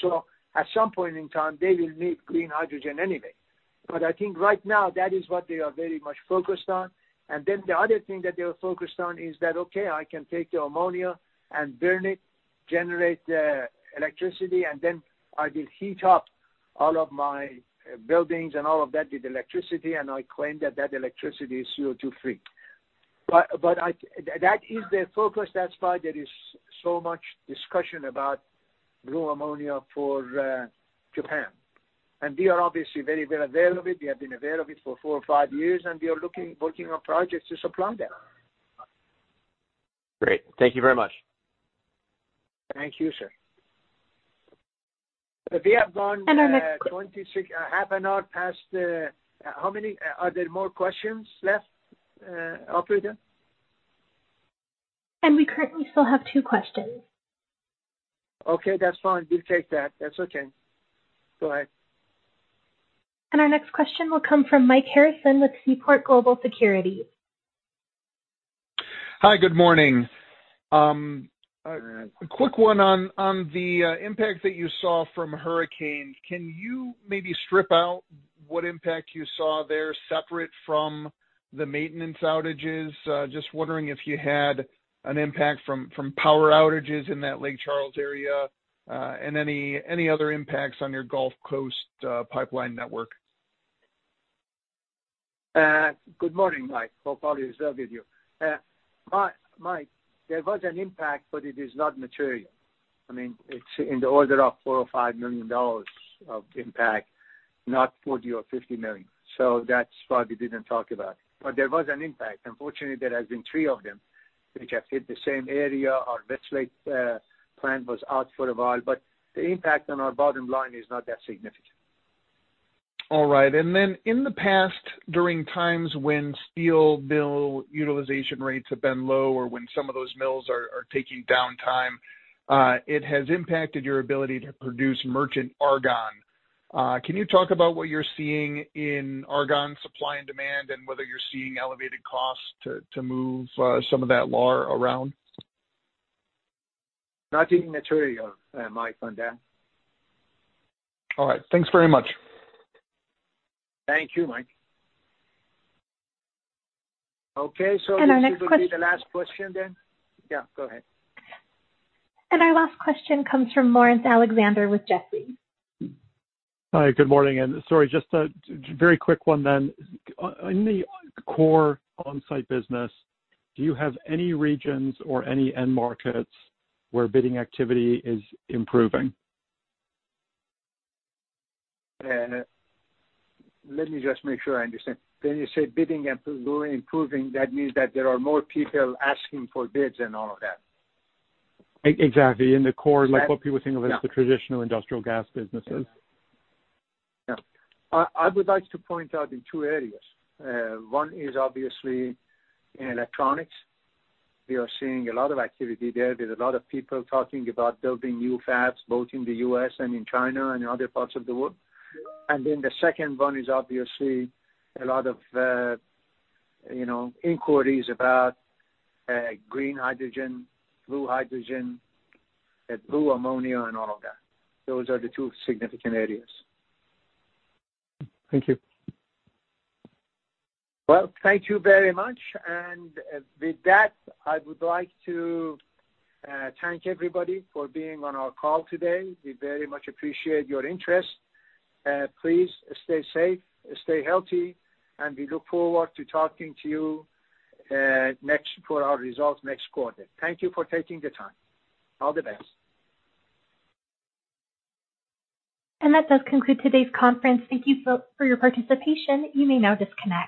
At some point in time, they will need green hydrogen anyway. I think right now, that is what they are very much focused on. The other thing that they are focused on is that, okay, I can take the ammonia and burn it, generate electricity, and then I will heat up all of my buildings and all of that with electricity, and I claim that that electricity is CO2-free. That is the focus. That's why there is so much discussion about blue ammonia for Japan. We are obviously very well aware of it. We have been aware of it for four or five years, and we are working on projects to supply them. Great. Thank you very much. Thank you, sir. Our next q- 26, half an hour past. Are there more questions left, operator? We currently still have two questions. Okay, that's fine. We'll take that. That's okay. Go ahead. Our next question will come from Michael Harrison with Seaport Global Securities. Hi, good morning. A quick one on the impact that you saw from hurricanes. Can you maybe strip out what impact you saw there separate from the maintenance outages? Just wondering if you had an impact from power outages in that Lake Charles area, and any other impacts on your Gulf Coast pipeline network. Good morning, Mike. Hope all is well with you. Mike, there was an impact, but it is not material. It's in the order of $4 million or $5 million of impact, not $40 or $50 million. That's why we didn't talk about it. There was an impact. Unfortunately, there has been three of them, which have hit the same area. Our Westlake plant was out for a while, but the impact on our bottom line is not that significant. All right. In the past, during times when steel mill utilization rates have been low or when some of those mills are taking downtime, it has impacted your ability to produce merchant argon. Can you talk about what you're seeing in argon supply and demand and whether you're seeing elevated costs to move some of that LAR around? Nothing material, Mike, on that. All right. Thanks very much. Thank you, Mike. Okay. Our next question. This will be the last question then. Yeah, go ahead. Our last question comes from Laurence Alexander with Jefferies. Hi, good morning. Sorry, just a very quick one then. In the core onsite business, do you have any regions or any end markets where bidding activity is improving? Let me just make sure I understand. When you say bidding activity improving, that means that there are more people asking for bids and all of that? Exactly. That- Like what people think of as- Yeah the traditional industrial gas businesses. Yeah. I would like to point out in two areas. One is obviously in electronics. We are seeing a lot of activity there. There is a lot of people talking about building new fabs, both in the U.S. and in China and other parts of the world. Then the second one is obviously a lot of inquiries about green hydrogen, blue hydrogen, blue ammonia and all of that. Those are the two significant areas. Thank you. Well, thank you very much. With that, I would like to thank everybody for being on our call today. We very much appreciate your interest. Please stay safe, stay healthy, and we look forward to talking to you for our results next quarter. Thank you for taking the time. All the best. That does conclude today's conference. Thank you for your participation. You may now disconnect.